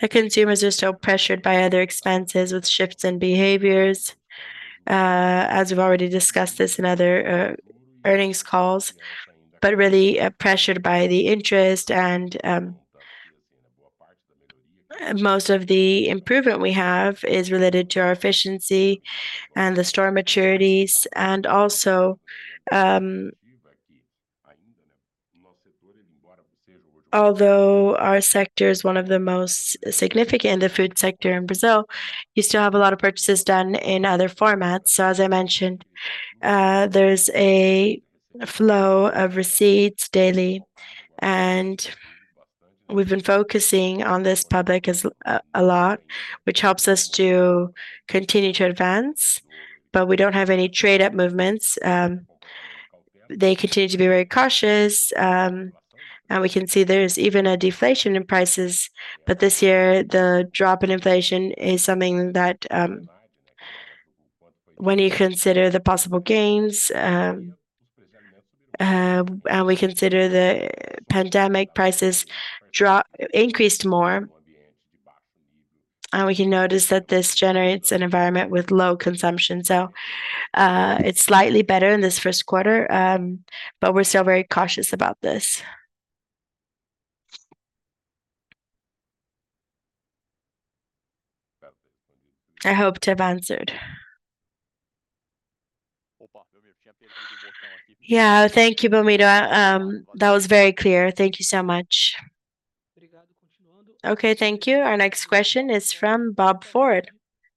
that consumers are still pressured by other expenses with shifts in behaviors, as we've already discussed this in other earnings calls, but really pressured by the interest. And most of the improvement we have is related to our efficiency and the store maturities. And also, although our sector is one of the most significant in the food sector in Brazil, you still have a lot of purchases done in other formats. So, as I mentioned, there's a flow of receipts daily. And we've been focusing on this public a lot, which helps us to continue to advance. But we don't have any trade-up movements. They continue to be very cautious. We can see there's even a deflation in prices. This year, the drop in inflation is something that, when you consider the possible gains and we consider the pandemic, prices increased more. We can notice that this generates an environment with low consumption. It's slightly better in this first quarter. But we're still very cautious about this. I hope to have answered. Yeah, thank you, Belmiro. That was very clear. Thank you so much. Okay, thank you. Our next question is from Bob Ford,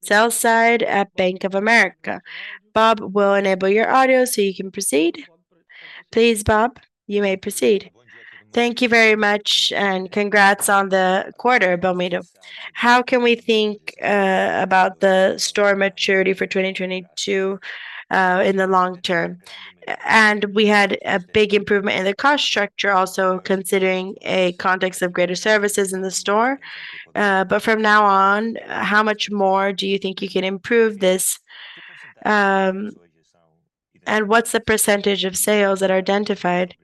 sell-side at Bank of America. Bob, we'll enable your audio so you can proceed. Please, Bob, you may proceed. Thank you very much. And congrats on the quarter, Belmiro. How can we think about the store maturity for 2022 in the long term? And we had a big improvement in the cost structure, also considering a context of greater services in the store. But from now on, how much more do you think you can improve this? And what's the percentage of sales that are identified?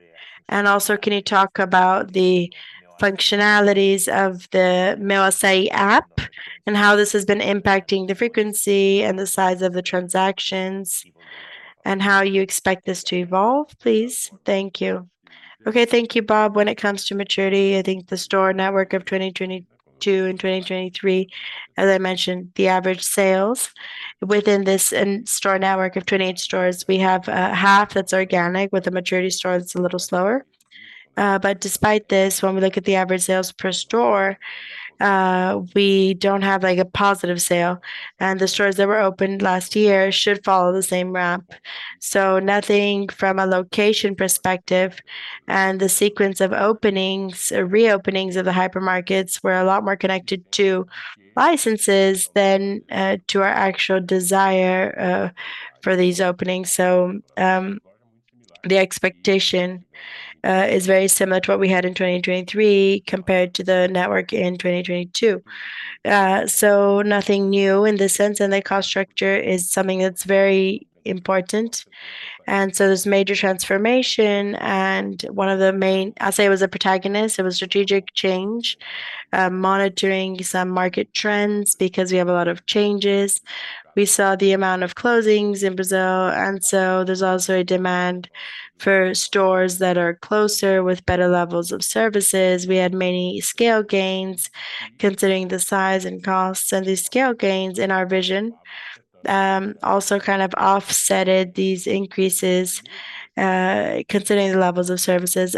And also, can you talk about the functionalities of the Meu Assaí app and how this has been impacting the frequency and the size of the transactions and how you expect this to evolve, please? Thank you. Okay, thank you, Bob. When it comes to maturity, I think the store network of 2022 and 2023, as I mentioned, the average sales within this store network of 28 stores, we have half that's organic with a maturity store that's a little slower. But despite this, when we look at the average sales per store, we don't have a positive sale. The stores that were opened last year should follow the same ramp. So nothing from a location perspective. The sequence of openings, reopenings of the hypermarkets were a lot more connected to licenses than to our actual desire for these openings. So the expectation is very similar to what we had in 2023 compared to the network in 2022. So nothing new in this sense. The cost structure is something that's very important. So there's major transformation. One of the main. I'll say it was a protagonist. It was strategic change, monitoring some market trends because we have a lot of changes. We saw the amount of closings in Brazil. So there's also a demand for stores that are closer with better levels of services. We had many scale gains considering the size and costs. These scale gains in our vision also kind of offset these increases considering the levels of services.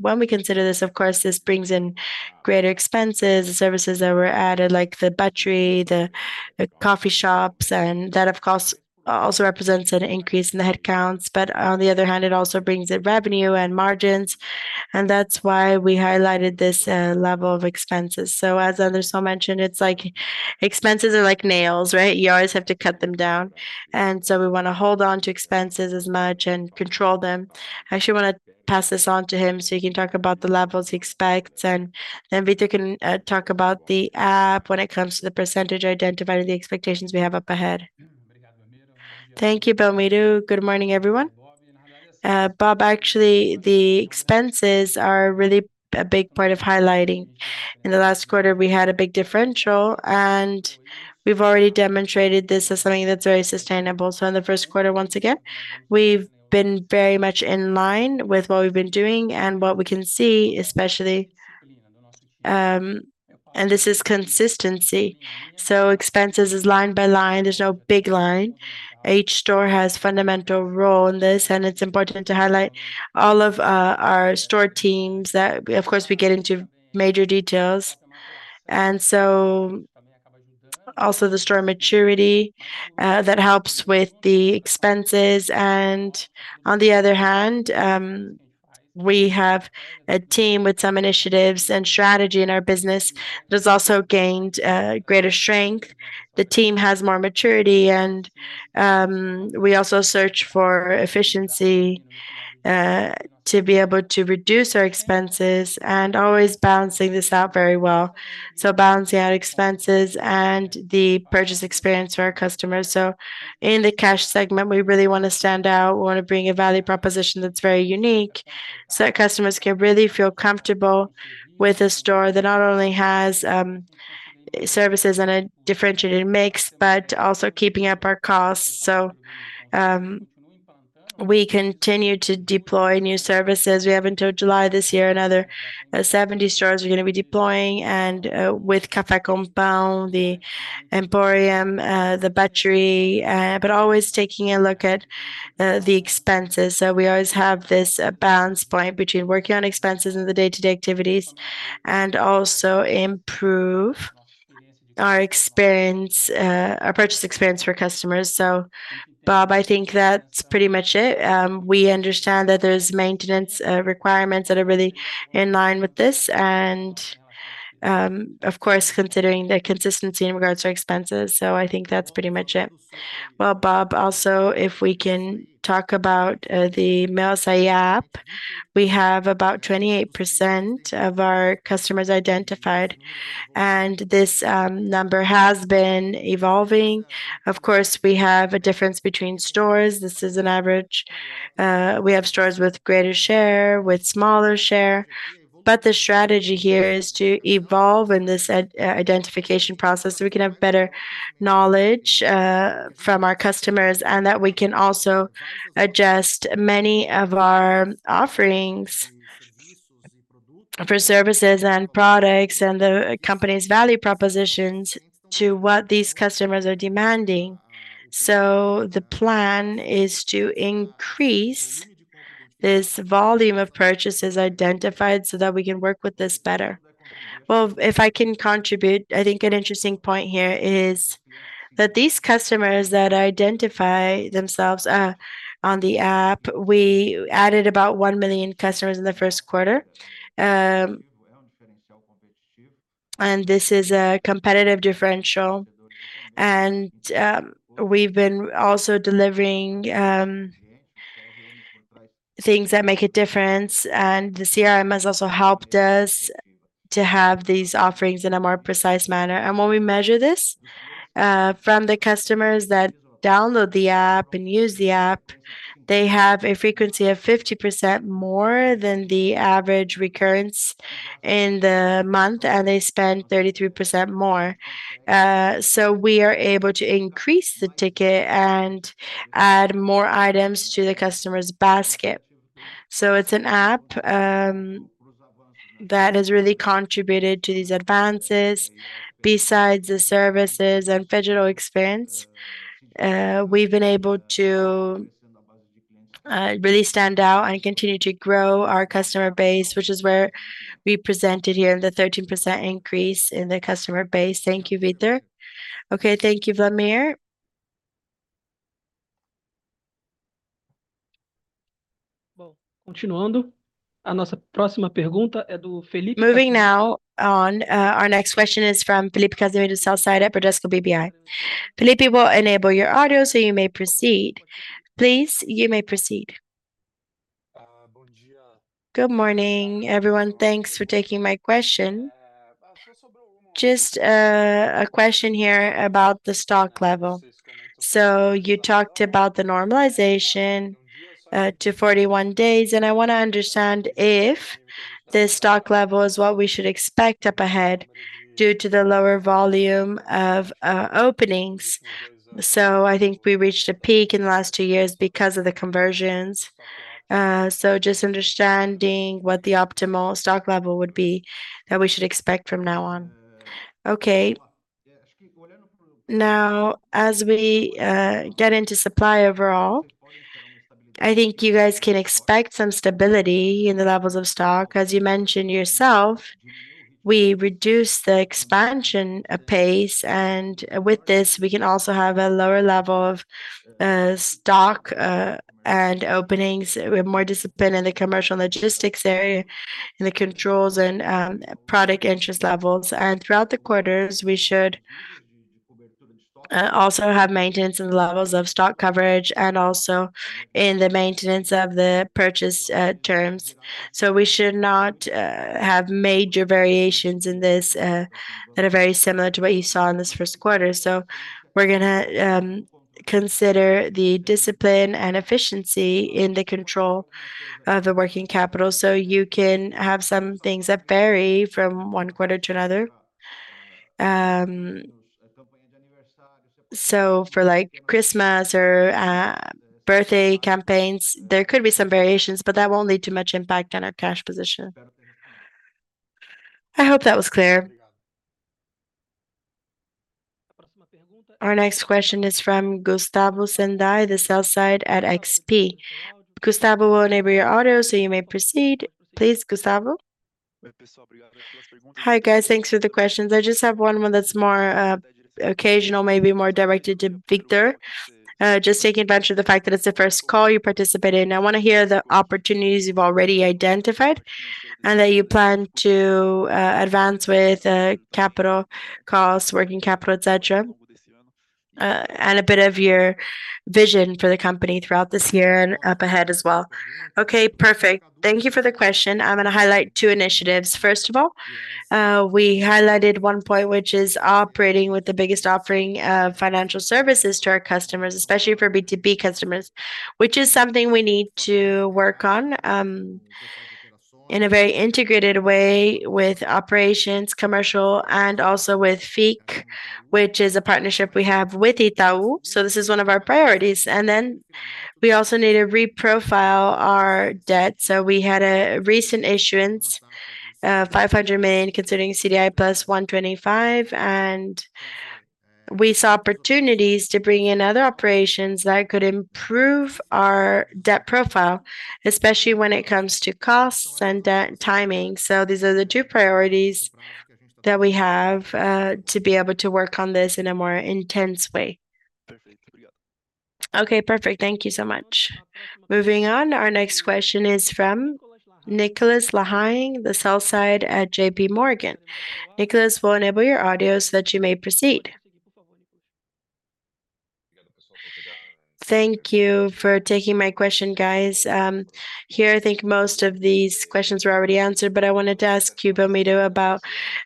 When we consider this, of course, this brings in greater expenses. The services that were added, like the padaria, the coffee shops, and that, of course, also represents an increase in the headcount. But on the other hand, it also brings in revenue and margins. That's why we highlighted this level of expenses. So as Anderson mentioned, expenses are like nails, right? You always have to cut them down. So we want to hold on to expenses as much and control them. I actually want to pass this on to him so he can talk about the levels he expects. Then Vitor can talk about the app when it comes to the percentage identified and the expectations we have up ahead. Thank you, Belmiro. Good morning, everyone. Bob, actually, the expenses are really a big part of highlighting. In the last quarter, we had a big differential. We've already demonstrated this as something that's very sustainable. So in the first quarter, once again, we've been very much in line with what we've been doing. What we can see, especially, and this is consistency. So expenses is line by line. There's no big line. Each store has a fundamental role in this. It's important to highlight all of our store teams that, of course, we get into major details. So also the store maturity that helps with the expenses. On the other hand, we have a team with some initiatives and strategy in our business that has also gained greater strength. The team has more maturity. We also search for efficiency to be able to reduce our expenses and always balancing this out very well. So balancing out expenses and the purchase experience for our customers. So in the Cash segment, we really want to stand out. We want to bring a value proposition that's very unique so that customers can really feel comfortable with a store that not only has services and a differentiated mix but also keeping up our costs. So we continue to deploy new services. We have, until July this year, another 70 stores we're going to be deploying with Cantinho do Café, the Empório de Frios, the Padaria, but always taking a look at the expenses. So we always have this balance point between working on expenses and the day-to-day activities and also improve our purchase experience for customers. So, Bob, I think that's pretty much it. We understand that there's maintenance requirements that are really in line with this and, of course, considering the consistency in regards to our expenses. So I think that's pretty much it. Well, Bob, also, if we can talk about the Meu Assaí app, we have about 28% of our customers identified. And this number has been evolving. Of course, we have a difference between stores. This is an average. We have stores with greater share, with smaller share. But the strategy here is to evolve in this identification process so we can have better knowledge from our customers and that we can also adjust many of our offerings for services and products and the company's value propositions to what these customers are demanding. So the plan is to increase this volume of purchases identified so that we can work with this better. Well, if I can contribute, I think an interesting point here is that these customers that identify themselves on the app, we added about 1 million customers in the first quarter. And this is a competitive differential. And we've been also delivering things that make a difference. And the CRM has also helped us to have these offerings in a more precise manner. And when we measure this from the customers that download the app and use the app, they have a frequency of 50% more than the average recurrence in the month. And they spend 33% more. So we are able to increase the ticket and add more items to the customer's basket. So it's an app that has really contributed to these advances. Besides the services and digital experience, we've been able to really stand out and continue to grow our customer base, which is where we presented here in the 13% increase in the customer base. Thank you, Vitor. Okay, thank you, Wlamir. Moving now on, our next question is from Felipe Cassimiro, sell-side at Bradesco BBI. Felipe, we'll enable your audio, so you may proceed. Please, you may proceed. Good morning, everyone. Thanks for taking my question. Just a question here about the stock level. So you talked about the normalization to 41 days. And I want to understand if the stock level is what we should expect up ahead due to the lower volume of openings. So I think we reached a peak in the last two years because of the conversions. So just understanding what the optimal stock level would be that we should expect from now on. Okay. Now, as we get into supply overall, I think you guys can expect some stability in the levels of stock. As you mentioned yourself, we reduce the expansion pace. And with this, we can also have a lower level of stock and openings. We're more disciplined in the commercial logistics area, in the controls and product interest levels. And throughout the quarters, we should also have maintenance in the levels of stock coverage and also in the maintenance of the purchase terms. So we should not have major variations in this that are very similar to what you saw in this first quarter. So we're going to consider the discipline and efficiency in the control of the working capital so you can have some things that vary from one quarter to another. So for Christmas or birthday campaigns, there could be some variations, but that won't lead to much impact on our cash position. I hope that was clear. Our next question is from Gustavo Senday, the sell-side at XP. Gustavo, we'll enable your audio, so you may proceed. Please, Gustavo. Hi guys. Thanks for the questions. I just have one more that's more occasional, maybe more directed to Vítor. Just taking advantage of the fact that it's the first call you participate in, I want to hear the opportunities you've already identified and that you plan to advance with capital costs, working capital, etc., and a bit of your vision for the company throughout this year and up ahead as well. Okay, perfect. Thank you for the question. I'm going to highlight two initiatives. First of all, we highlighted one point, which is operating with the biggest offering of financial services to our customers, especially for B2B customers, which is something we need to work on in a very integrated way with operations, commercial, and also with FIC, which is a partnership we have with Itaú. So this is one of our priorities. And then we also need to reprofile our debt. So we had a recent issuance, 500 million, considering CDI plus 125. And we saw opportunities to bring in other operations that could improve our debt profile, especially when it comes to costs and timing. So these are the two priorities that we have to be able to work on this in a more intense way. Okay, perfect. Thank you so much. Moving on, our next question is from Nicolas Larrain, the sell-side at JPMorgan. Nicolas, we'll enable your audio so that you may proceed. Thank you for taking my question, guys. Here, I think most of these questions were already answered, but I wanted to ask you, Belmiro, about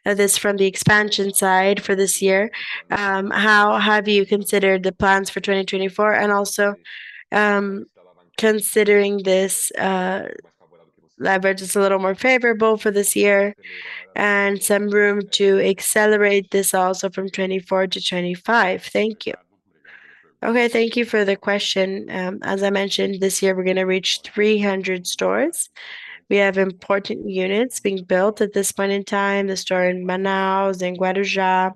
this from the expansion side for this year. How have you considered the plans for 2024 and also considering this leverage is a little more favorable for this year and some room to accelerate this also from 2024 to 2025? Thank you. Okay, thank you for the question. As I mentioned, this year, we're going to reach 300 stores. We have important units being built at this point in time, the store in Manaus, in Guarujá,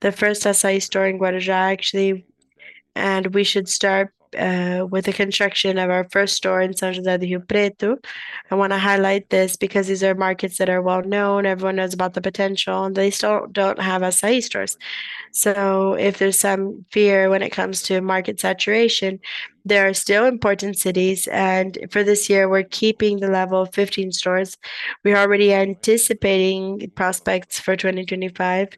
the first Assaí store in Guarujá, actually. And we should start with the construction of our first store in São José do Rio Preto. I want to highlight this because these are markets that are well known. Everyone knows about the potential, and they still don't have Assaí stores. So if there's some fear when it comes to market saturation, there are still important cities. And for this year, we're keeping the level of 15 stores. We're already anticipating prospects for 2025.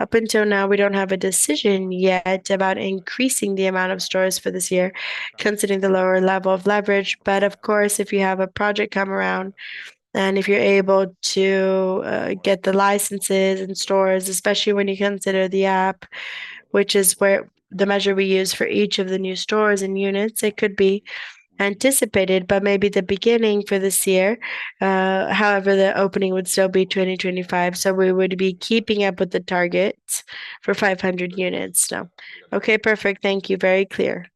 Up until now, we don't have a decision yet about increasing the amount of stores for this year, considering the lower level of leverage. But of course, if you have a project come around and if you're able to get the licenses and stores, especially when you consider the Capex, which is the measure we use for each of the new stores and units, it could be anticipated, but maybe the beginning for this year. However, the opening would still be 2025. So we would be keeping up with the target for 500 units. Okay, perfect. Thank you. Very clear.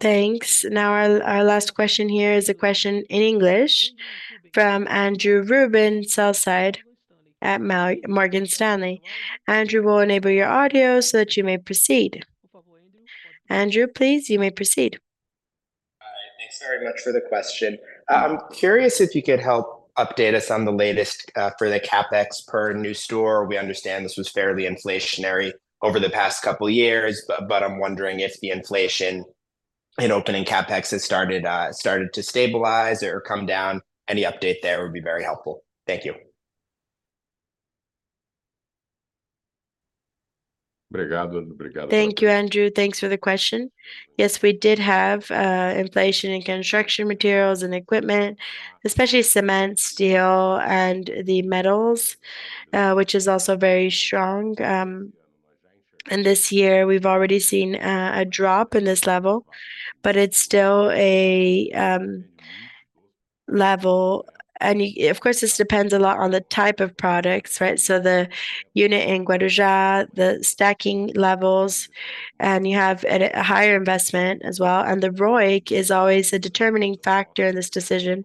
Thanks. Now, our last question here is a question in English from Andrew Ruben, sell-side at Morgan Stanley. Andrew, we'll enable your audio so that you may proceed. Andrew, please, you may proceed. All right. Thanks very much for the question. I'm curious if you could help update us on the latest for the Capex per new store. We understand this was fairly inflationary over the past couple of years, but I'm wondering if the inflation in opening Capex has started to stabilize or come down. Any update there would be very helpful. Thank you. Thank you, Andrew. Thanks for the question. Yes, we did have inflation in construction materials and equipment, especially cement, steel, and the metals, which is also very strong. And this year, we've already seen a drop in this level, but it's still a level. Of course, this depends a lot on the type of products, right? So the unit in Guarujá, the stacking levels, and you have a higher investment as well. The ROIC is always a determining factor in this decision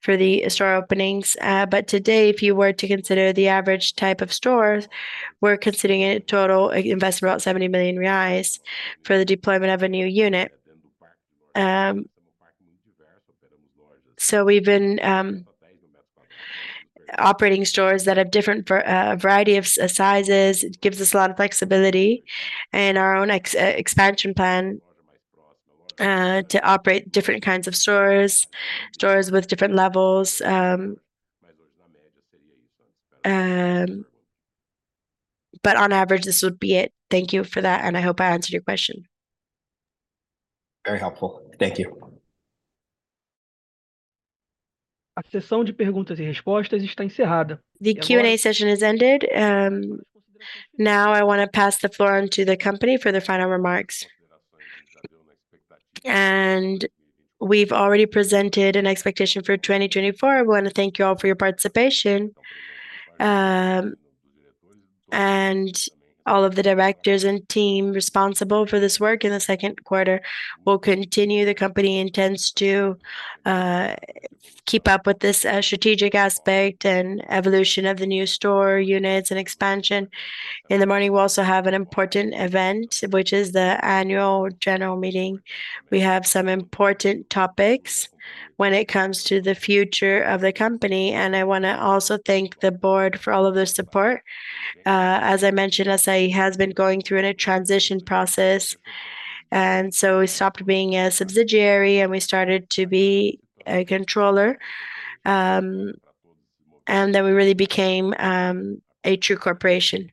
for the store openings. But today, if you were to consider the average type of store, we're considering a total investment of about 70 million reais for the deployment of a new unit. So we've been operating stores that have a different variety of sizes. It gives us a lot of flexibility in our own expansion plan to operate different kinds of stores, stores with different levels. But on average, this would be it. Thank you for that. And I hope I answered your question. Very helpful. Thank you. The Q&A session is ended. Now, I want to pass the floor on to the company for their final remarks. We've already presented an expectation for 2024. We want to thank you all for your participation. All of the directors and team responsible for this work in the second quarter will continue. The company intends to keep up with this strategic aspect and evolution of the new store units and expansion. In the morning, we also have an important event, which is the annual general meeting. We have some important topics when it comes to the future of the company. I want to also thank the board for all of their support. As I mentioned, Assaí has been going through a transition process. So we stopped being a subsidiary, and we started to be a controller. Then we really became a true corporation.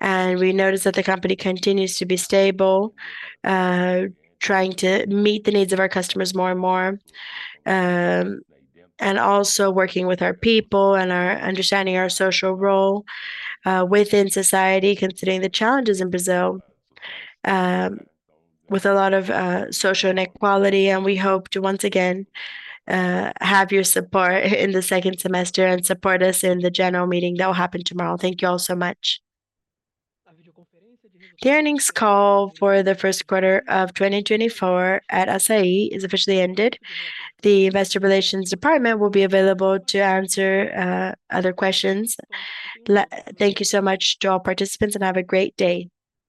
We noticed that the company continues to be stable, trying to meet the needs of our customers more and more, and also working with our people and understanding our social role within society, considering the challenges in Brazil with a lot of social inequality. We hope to once again have your support in the second semester and support us in the general meeting that will happen tomorrow. Thank you all so much. The earnings call for the first quarter of 2024 at Assaí is officially ended. The investor relations department will be available to answer other questions. Thank you so much to all participants, and have a great day.